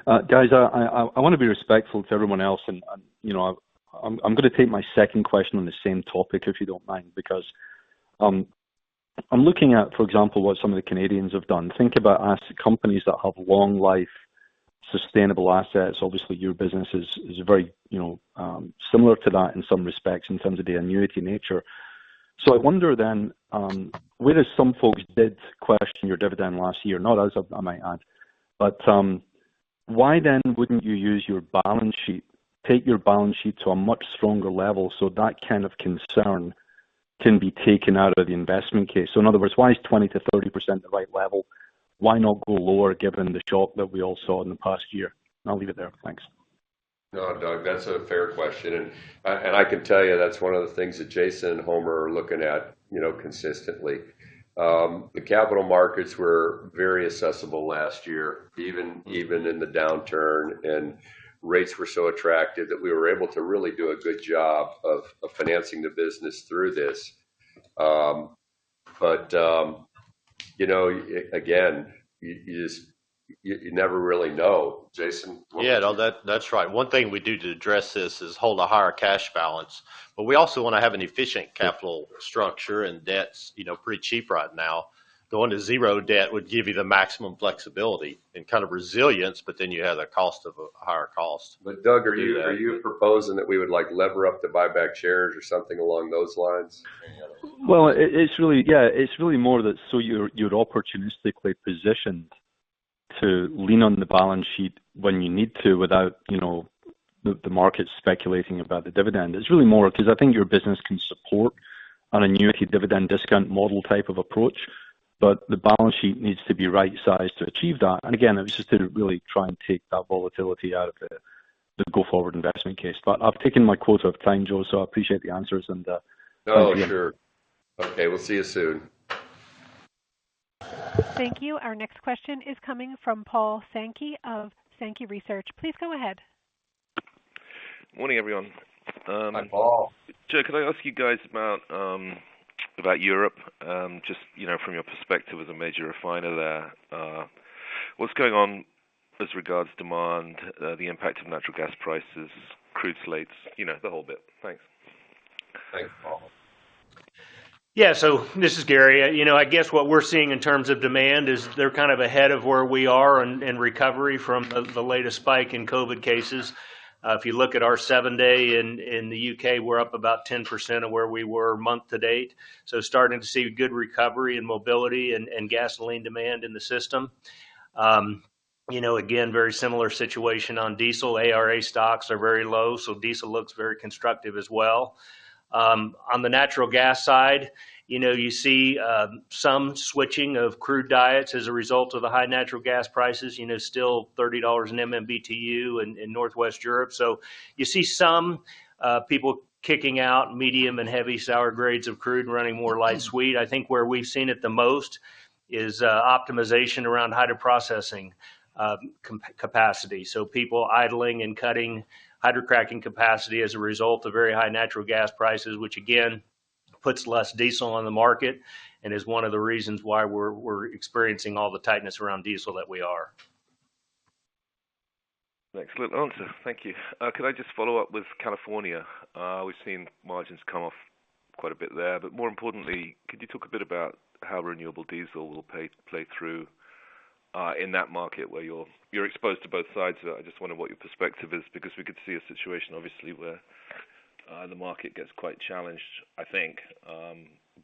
guys, I wanna be respectful to everyone else and, you know, I'm gonna take my second question on the same topic if you don't mind, because I'm looking at, for example, what some of the Canadians have done. Think about asset companies that have long life sustainable assets. Obviously, your business is very, you know, similar to that in some respects in terms of the annuity nature. I wonder then whether some folks did question your dividend last year. Not us, I might add. Why then wouldn't you use your balance sheet, take your balance sheet to a much stronger level so that kind of concern can be taken out of the investment case? In other words, why is 20%-30% the right level? Why not go lower given the shock that we all saw in the past year? I'll leave it there. Thanks. No, Doug, that's a fair question. I can tell you that's one of the things that Jason and Homer are looking at, you know, consistently. The capital markets were very accessible last year, even in the downturn. Rates were so attractive that we were able to really do a good job of financing the business through this. But you know, again, you just never really know. Jason? Yeah, no. That's right. One thing we do to address this is hold a higher cash balance. We also wanna have an efficient capital structure, and debt's, you know, pretty cheap right now. Going to zero debt would give you the maximum flexibility and kind of resilience, then you have the cost of a higher cost to do that. Doug, are you proposing that we would like lever up to buy back shares or something along those lines? It's really more that so you're opportunistically positioned to lean on the balance sheet when you need to without you know the market speculating about the dividend. It's really more 'cause I think your business can support an annuity dividend discount model type of approach, but the balance sheet needs to be right sized to achieve that. Again, it was just to really try and take that volatility out of the go-forward investment case. I've taken my quota of time, Joe, so I appreciate the answers. Oh, sure. Thank you. Okay, we'll see you soon. Thank you. Our next question is coming from Paul Sankey of Sankey Research. Please go ahead. Morning, everyone. Hi, Paul. Joe, could I ask you guys about Europe, just, you know, from your perspective as a major refiner there? What's going on as regards demand, the impact of natural gas prices, crude slates, you know, the whole bit. Thanks. Thanks, Paul. Yeah. This is Gary. You know, I guess what we're seeing in terms of demand is they're kind of ahead of where we are in recovery from the latest spike in COVID cases. If you look at our seven-day in the U.K., we're up about 10% of where we were month to date, starting to see good recovery and mobility and gasoline demand in the system. You know, again, very similar situation on diesel. ARA stocks are very low, so diesel looks very constructive as well. On the natural gas side, you know, you see some switching of crude diets as a result of the high natural gas prices, you know, still $30/MMBTU in northwest Europe. You see some people kicking out medium and heavy sour grades of crude and running more light sweet. I think where we've seen it the most is optimization around hydroprocessing capacity. People idling and cutting hydrocracking capacity as a result of very high natural gas prices, which again- Puts less diesel on the market and is one of the reasons why we're experiencing all the tightness around diesel that we are. Excellent answer. Thank you. Could I just follow up with California? We've seen margins come off quite a bit there, but more importantly, could you talk a bit about how renewable diesel will play through in that market where you're exposed to both sides of that. I just wonder what your perspective is because we could see a situation obviously where the market gets quite challenged, I think,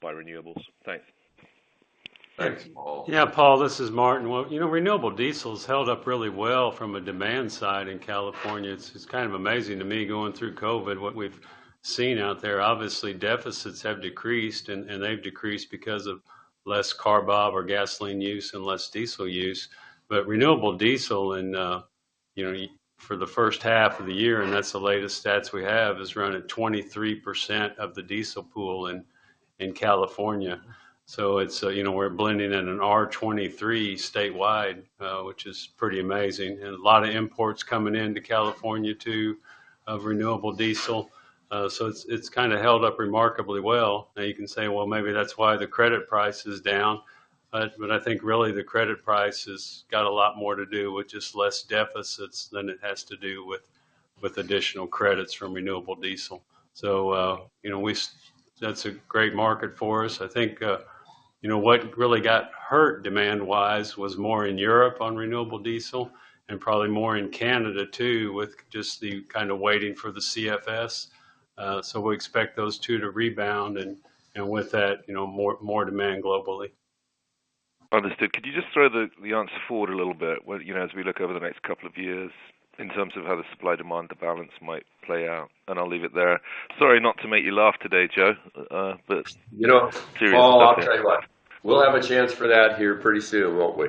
by renewables. Thanks. Thanks, Paul. Yeah. Paul, this is Martin. Well, you know, renewable diesel's held up really well from a demand side in California. It's kind of amazing to me going through COVID, what we've seen out there. Obviously, deficits have decreased and they've decreased because of less car buying or gasoline use and less diesel use. Renewable diesel, you know, for the first half of the year, and that's the latest stats we have, is running 23% of the diesel pool in California. It's you know, we're blending in an R23 statewide, which is pretty amazing. A lot of imports coming into California too of renewable diesel. It's kind of held up remarkably well. Now you can say, "Well, maybe that's why the credit price is down." I think really the credit price has got a lot more to do with just less deficits than it has to do with additional credits from renewable diesel. You know that's a great market for us. I think you know what really got hurt demand-wise was more in Europe on renewable diesel and probably more in Canada too, with just the kind of waiting for the CFS. We expect those two to rebound and with that, you know, more demand globally. Understood. Could you just throw the answer forward a little bit when you know, as we look over the next couple of years in terms of how the supply-demand balance might play out? I'll leave it there. Sorry, not to make you laugh today, Joe, but. You know, Paul. Serious topic. I'll tell you what, we'll have a chance for that here pretty soon, won't we?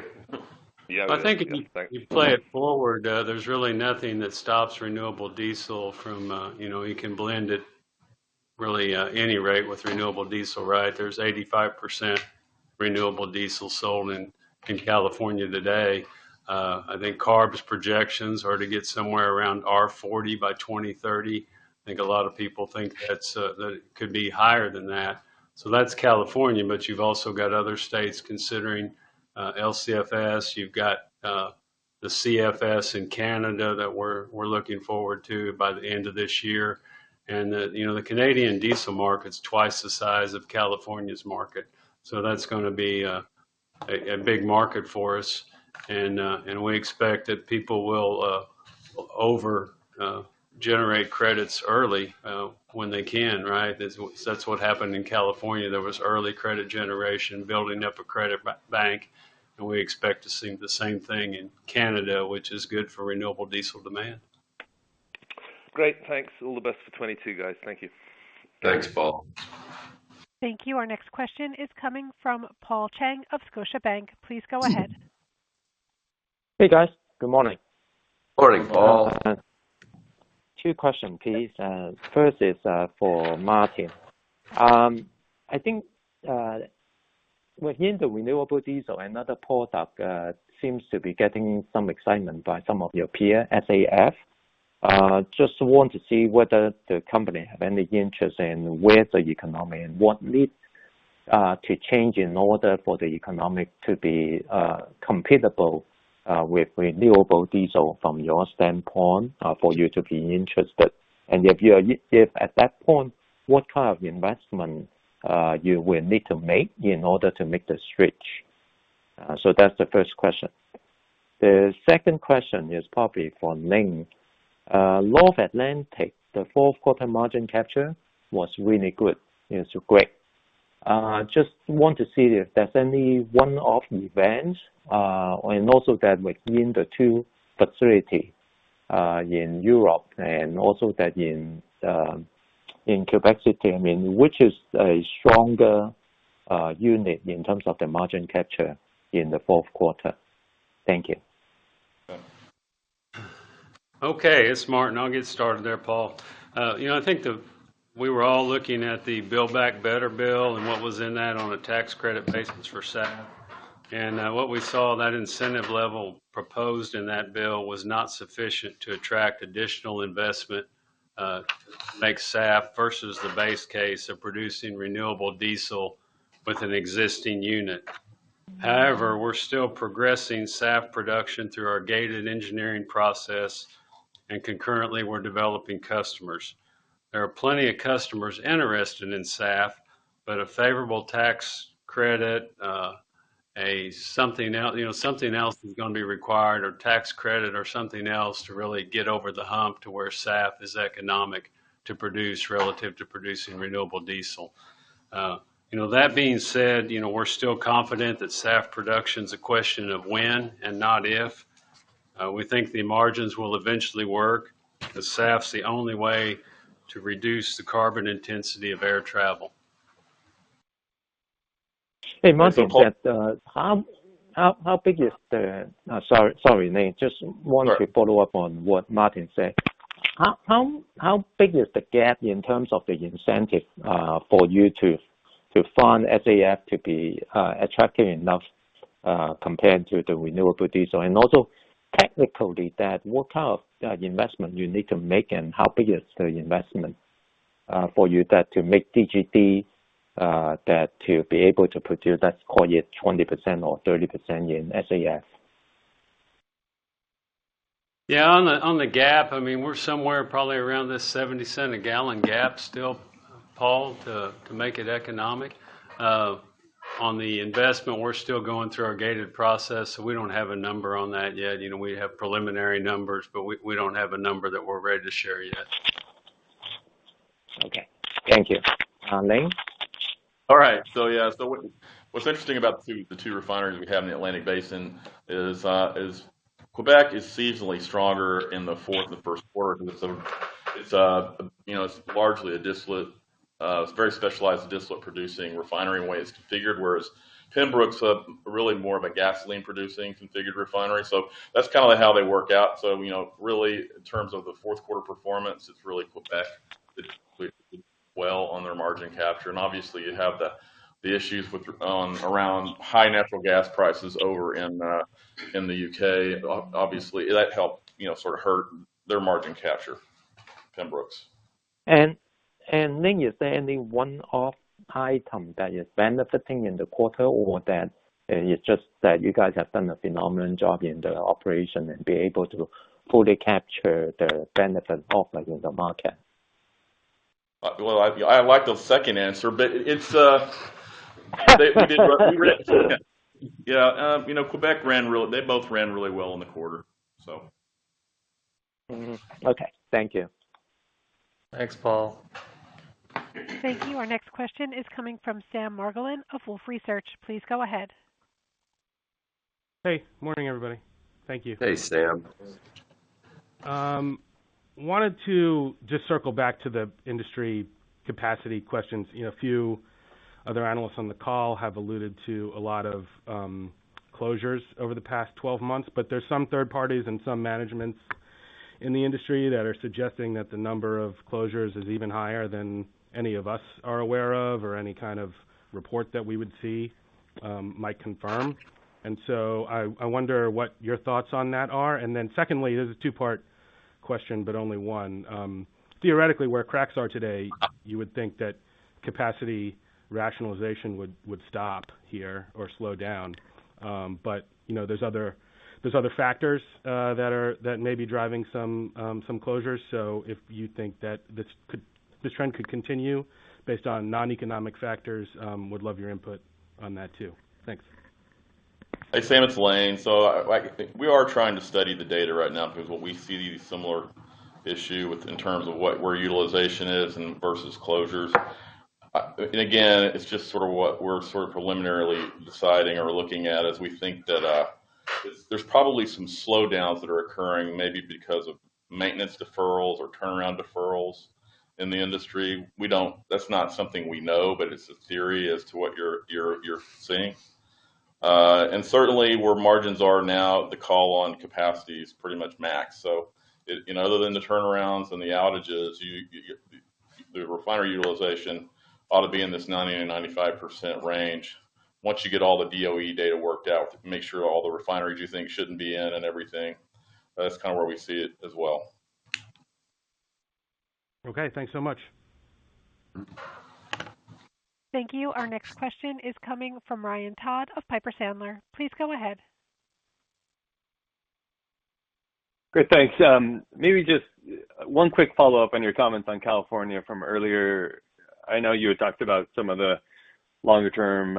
Yeah. I think if you play it forward, there's really nothing that stops renewable diesel from, you know, you can blend it really at any rate with renewable diesel, right? There's 85% renewable diesel sold in California today. I think CARB's projections are to get somewhere around R40 by 2030. I think a lot of people think that's, that it could be higher than that. So, that's California, but you've also got other states considering LCFS. You've got the CFS in Canada that we're looking forward to by the end of this year. And the you know the Canadian diesel market's twice the size of California's market. That's gonna be a big market for us. And we expect that people will over generate credits early when they can, right? That's what happened in California. There was early credit generation building up a credit bank, and we expect to see the same thing in Canada, which is good for renewable diesel demand. Great. Thanks. All the best for 2022, guys. Thank you. Thanks, Paul. Thank you. Our next question is coming from Paul Cheng of Scotiabank. Please go ahead. Hey, guys. Good morning. Morning, Paul. Two questions, please. First is for Martin. I think we're hearing the renewable diesel and other product seems to be getting some excitement by some of your peer, SAF. Just want to see whether the company have any interest in where the economic and what needs to change in order for the economic to be compatible with renewable diesel from your standpoint for you to be interested. If at that point, what kind of investment you will need to make in order to make the switch? That's the first question. The second question is probably for Lane. North Atlantic, the fourth quarter margin capture was really good. It was great. Just want to see if that's any one-off event. Also that between the two facility in Europe and also that in Quebec City. I mean, which is a stronger unit in terms of the margin capture in the fourth quarter? Thank you. Okay. It's Martin. I'll get started there, Paul. You know, I think we were all looking at the Build Back Better bill and what was in that on the tax credit basis for SAF. And what we saw, that incentive level proposed in that bill was not sufficient to attract additional investment to make SAF versus the base case of producing renewable diesel with an existing unit. However, we're still progressing SAF production through our gated engineering process, and concurrently, we're developing customers. There are plenty of customers interested in SAF, but a favorable tax credit, you know, something else is gonna be required or tax credit or something else to really get over the hump to where SAF is economic to produce relative to producing renewable diesel. You know, that being said, you know, we're still confident that SAF production's a question of when and not if. We think the margins will eventually work, 'cause SAF's the only way to reduce the carbon intensity of air travel. Hey, Martin. This is Paul. Just, how big is the... Sorry, Nate. Just want- Sure, To follow up on what Martin said. How big is the gap in terms of the incentive for you to fund SAF to be attractive enough? Compared to the renewable diesel. Also technically, what kind of investment you need to make and how big is the investment for you to make it to be able to produce, let's call it 20% or 30% in SAF? Yeah. On the gap, I mean, we're somewhere probably around the $0.70-a-gallon gap still, Paul, to make it economic. On the investment, we're still going through our gated process, so we don't have a number on that yet. You know, we have preliminary numbers, but we don't have a number that we're ready to share yet. Okay. Thank you. Lane? All right. Yeah. What's interesting about the two refineries we have in the Atlantic Basin is Quebec is seasonally stronger in the fourth and first quarter. So, it's largely a distillate. It's a very specialized distillate-producing refinery in the way it's configured, whereas Pembroke is really more of a gasoline-producing configured refinery. That's kind of how they work out. You know, really in terms of the fourth quarter performance, it's really Quebec did really well on their margin capture. Obviously, you have the issues with around high natural gas prices over in the U.K. Obviously, that helped, you know, sort of hurt their margin capture, Pembroke. And is there any one-off item that is benefiting in the quarter or that it's just that you guys have done a phenomenal job in the operation and be able to fully capture the benefit of the market? Well, I like the second answer, but it's. We ran. Yeah. You know, Quebec ran really. They both ran really well in the quarter. Okay. Thank you. Thanks, Paul. Thank you. Our next question is coming from Sam Margolin of Wolfe Research. Please go ahead. Hey. Morning, everybody. Thank you. Hey, Sam. I wanted to just circle back to the industry capacity questions. You know, a few other analysts on the call have alluded to a lot of closures over the past 12 months. There's some third parties and some managements in the industry that are suggesting that the number of closures is even higher than any of us are aware of or any kind of report that we would see might confirm. And so, I wonder what your thoughts on that are. And then, secondly, this is a two-part question, but only one. Theoretically, where cracks are today, you would think that capacity rationalization would stop here or slow down. You know, there's other factors that may be driving some closures. If you think that this could. This trend could continue based on non-economic factors. Would love your input on that too. Thanks. Hey, Sam. It's Lane. I, like, we are trying to study the data right now because what we see similar issue with in terms of what where utilization is and versus closures. Again, it's just sort of what we're sort of preliminarily deciding or looking at is we think that there's probably some slowdowns that are occurring maybe because of maintenance deferrals or turnaround deferrals in the industry. We don't. That's not something we know, but it's a theory as to what you're seeing. Certainly, where margins are now, the call on capacity is pretty much max. So, you know, other than the turnarounds and the outages, you you the refinery utilization ought to be in this 90%-95% range. Once you get all the DOE data worked out, make sure all the refineries you think shouldn't be in and everything, that's kind of where we see it as well. Okay. Thanks so much. Thank you. Our next question is coming from Ryan Todd of Piper Sandler. Please go ahead. Great. Thanks. Maybe just one quick follow-up on your comments on California from earlier. I know you had talked about some of the longer term,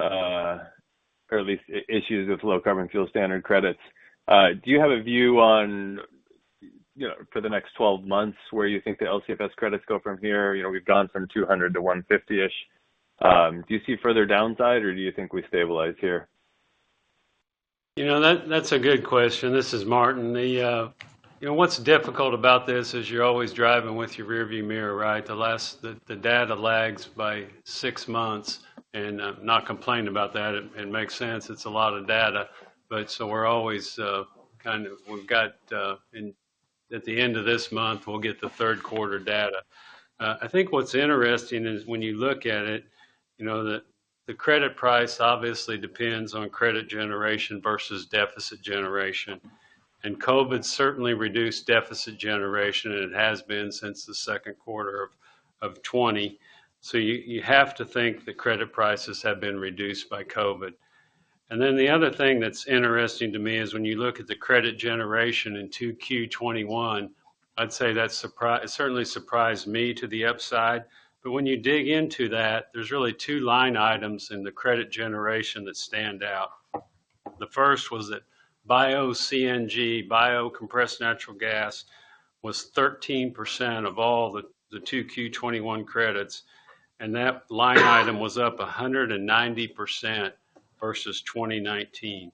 or at least issues with Low Carbon Fuel Standard credits. Do you have a view on, you know, for the next 12 months where you think the LCFS credits go from here? You know, we've gone from 200 to 150-ish. Do you see further downside, or do you think we stabilize here? You know, that's a good question. This is Martin. You know, what's difficult about this is you're always driving with your rearview mirror, right? The data lags by six months. I'm not complaining about that. It makes sense. It's a lot of data. At the end of this month, we'll get the third quarter data. I think what's interesting is when you look at it, you know, the credit price obviously depends on credit generation versus deficit generation. And COVID certainly reduced deficit generation, and it has been since the second quarter of 2020. You have to think the credit prices have been reduced by COVID. Then the other thing that's interesting to me is when you look at the credit generation in 2Q 2021. I'd say that it certainly surprised me to the upside. When you dig into that, there's really two line items in the credit generation that stand out. The first was that bio-CNG, bio-compressed natural gas, was 13% of all the 2Q 2021 credits, and that line item was up 190% versus 2019.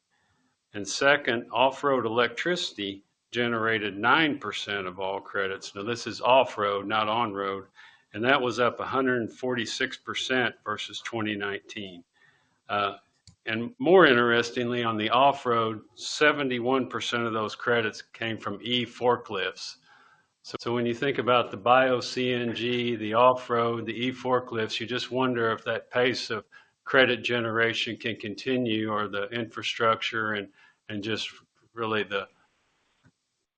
Second, off-road electricity generated 9% of all credits. Now, this is off-road, not on-road, and that was up 146% versus 2019. More interestingly, on the off-road, 71% of those credits came from e-forklifts. When you think about the bio-CNG, the off-road, the e-forklifts, you just wonder if that pace of credit generation can continue or the infrastructure and just really it gets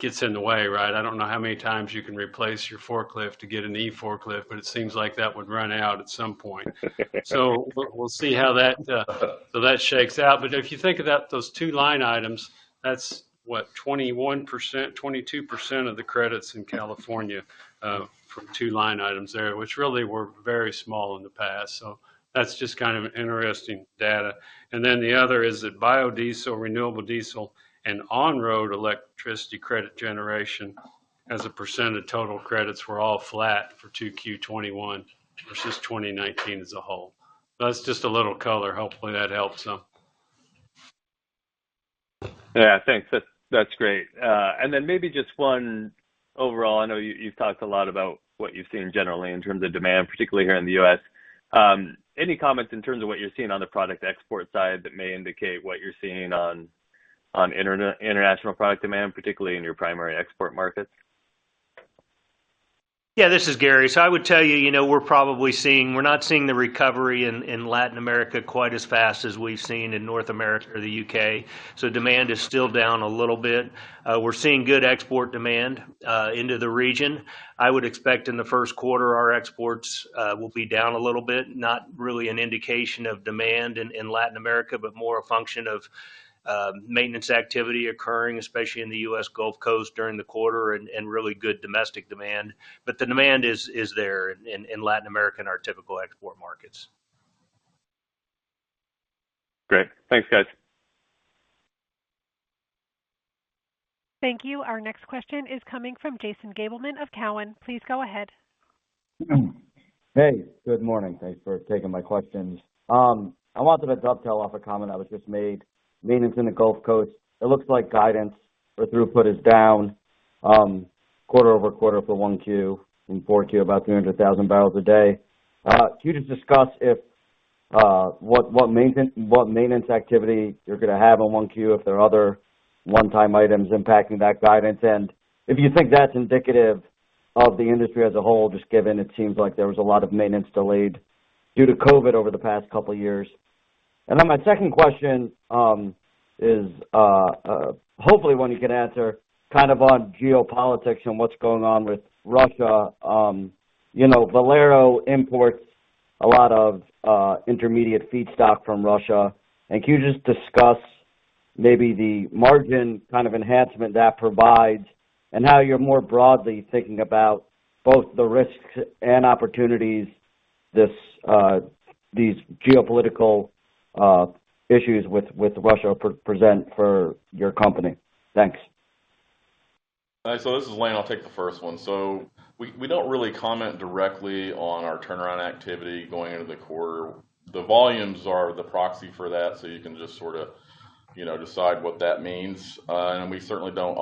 in the way, right? I don't know how many times you can replace your forklift to get an e-forklift, but it seems like that would run out at some point. We'll see how that shakes out. If you think about those two line items, that's what? 21%, 22% of the credits in California, for two line items there, which really were very small in the past. That's just kind of interesting data. Then the other is that biodiesel, renewable diesel, and on-road electricity credit generation as a percent of total credits were all flat for 2Q 2021 versus 2019 as a whole. That's just a little color. Hopefully, that helps some. Yeah, thanks. That's great. Maybe just one overall, I know you've talked a lot about what you've seen generally in terms of demand, particularly here in the U.S. Any comments in terms of what you're seeing on the product export side that may indicate what you're seeing on international product demand, particularly in your primary export markets? Yeah, this is Gary. I would tell you know, we're not seeing the recovery in Latin America quite as fast as we've seen in North America or the U.K. Demand is still down a little bit. We're seeing good export demand into the region. I would expect in the first quarter, our exports will be down a little bit, not really an indication of demand in Latin America, but more a function of maintenance activity occurring, especially in the U.S. Gulf Coast during the quarter and really good domestic demand. But the demand is there in Latin America and our typical export markets. Great. Thanks, guys. Thank you. Our next question is coming from Jason Gabelman of TD Cowen. Please go ahead. Hey, good morning. Thanks for taking my questions. I wanted to dovetail off a comment that was just made about maintenance in the Gulf Coast. It looks like guidance for throughput is down quarter-over-quarter for 1Q and 4Q, about 300,000 barrels a day. Can you just discuss what maintenance activity you're gonna have on 1Q, if there are other one-time items impacting that guidance? If you think that's indicative of the industry as a whole, just given it seems like there was a lot of maintenance delayed due to COVID over the past couple years. And then, my second question is hopefully one you can answer kind of on geopolitics and what's going on with Russia. You know, Valero imports a lot of intermediate feedstock from Russia. Can you just discuss maybe the margin kind of enhancement that provides and how you're more broadly thinking about both the risks and opportunities these geopolitical issues with Russia present for your company? Thanks. All right. This is Lane. I'll take the first one. So, we don't really comment directly on our turnaround activity going into the quarter. The volumes are the proxy for that, so you can just sorta, you know, decide what that means. We certainly don't.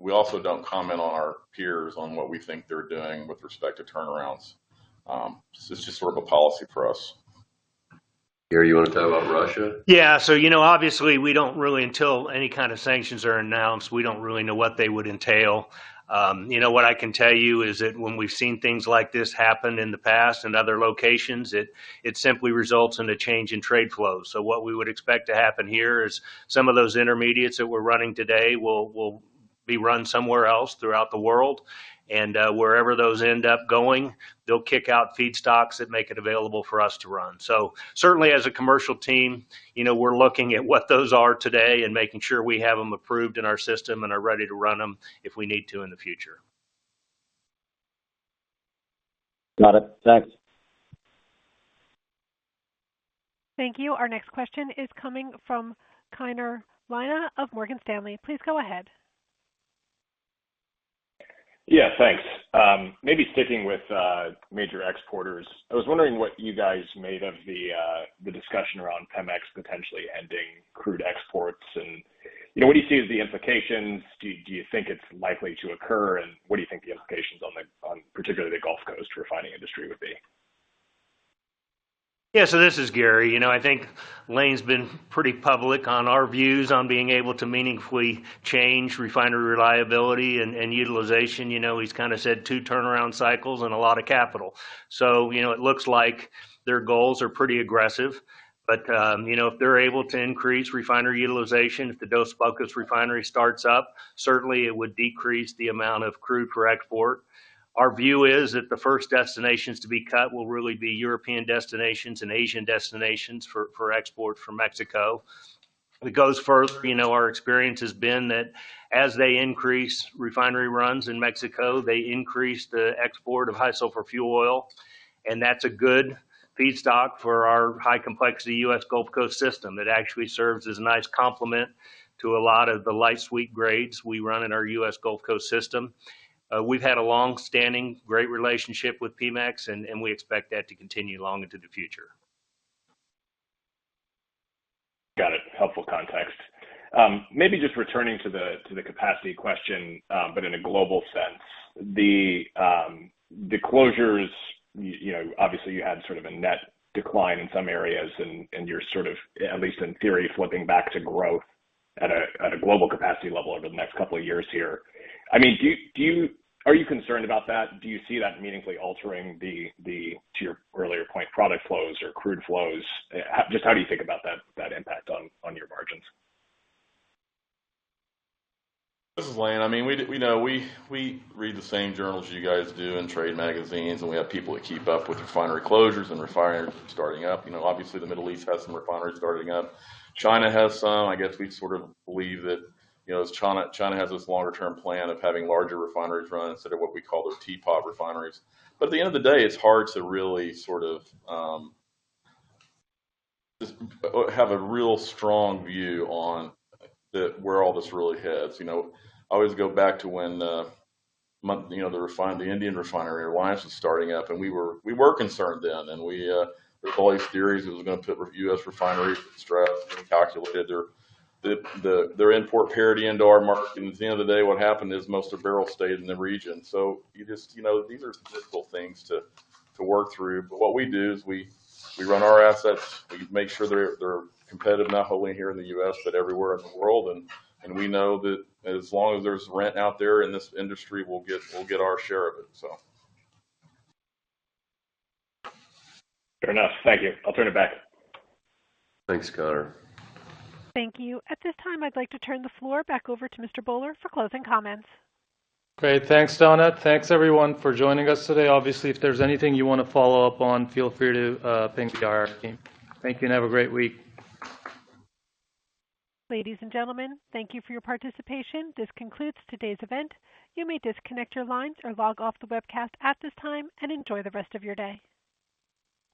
We also don't comment on our peers on what we think they're doing with respect to turnarounds. It's just sort of a policy for us. Gary, you wanna talk about Russia? Yeah. So, you know, obviously, we don't really know what they would entail until any kind of sanctions are announced. What I can tell you is that when we've seen things like this happen in the past in other locations, it simply results in a change in trade flows. What we would expect to happen here is some of those intermediates that we're running today will be run somewhere else throughout the world. Wherever those end up going, they'll kick out feedstocks that make it available for us to run. Certainly as a commercial team, we're looking at what those are today and making sure we have them approved in our system and are ready to run them if we need to in the future. Got it. Thanks. Thank you. Our next question is coming from Connor Lynagh of Morgan Stanley. Please go ahead. Yeah, thanks. Maybe sticking with major exporters, I was wondering what you guys made of the discussion around Pemex potentially ending crude exports. You know, what do you see as the implications? Do you think it's likely to occur? What do you think the implications on particularly the Gulf Coast refining industry would be? Yeah. This is Gary. You know, I think Lane's been pretty public on our views on being able to meaningfully change refinery reliability and utilization. You know, he's kinda said two turnaround cycles and a lot of capital. You know, it looks like their goals are pretty aggressive. But you know, if they're able to increase refinery utilization, if the Dos Bocas refinery starts up, certainly it would decrease the amount of crude for export. Our view is that the first destinations to be cut will really be European destinations and Asian destinations for export from Mexico. If it goes further, you know, our experience has been that as they increase refinery runs in Mexico, they increase the export of high sulfur fuel oil, and that's a good feedstock for our high complexity U.S. Gulf Coast system. It actually serves as a nice complement to a lot of the light sweet grades we run in our U.S. Gulf Coast system. We've had a long-standing great relationship with Pemex, and we expect that to continue long into the future. Got it. Helpful context. Maybe just returning to the capacity question, but in a global sense. The closures, you know, obviously you had sort of a net decline in some areas and you're sort of at least in theory, flipping back to growth at a global capacity level over the next couple of years here. I mean, are you concerned about that? Do you see that meaningfully altering the to your earlier point, product flows or crude flows? Just how do you think about that impact on your margins? This is Lane. I mean, we know, we read the same journals you guys do and trade magazines, and we have people that keep up with refinery closures and refineries starting up. You know, obviously, the Middle East has some refineries starting up. China has some. I guess we sort of believe that, you know, as China has this longer term plan of having larger refineries run instead of what we call those teapot refineries. At the end of the day, it's hard to really sort of just have a real strong view on where all this really heads. You know, I always go back to when you know, the Indian refinery, Reliance, was starting up, and we were concerned then, and there was all these theories it was gonna put U.S. refineries under stress. We calculated that their import parity into our market. At the end of the day, what happened is most of the barrel stayed in the region. So, you know, these are difficult things to work through. What we do is we run our assets. We make sure they're competitive not only here in the U.S., but everywhere in the world. We know that as long as there's rent out there in this industry, we'll get our share of it. Fair enough. Thank you. I'll turn it back. Thanks, Connor. Thank you. At this time, I'd like to turn the floor back over to Mr. Bhullar for closing comments. Great. Thanks, Donna. Thanks, everyone, for joining us today. Obviously, if there's anything you wanna follow up on, feel free to ping the IR team. Thank you, and have a great week. Ladies and gentlemen, thank you for your participation. This concludes today's event. You may disconnect your lines or log off the webcast at this time, and enjoy the rest of your day.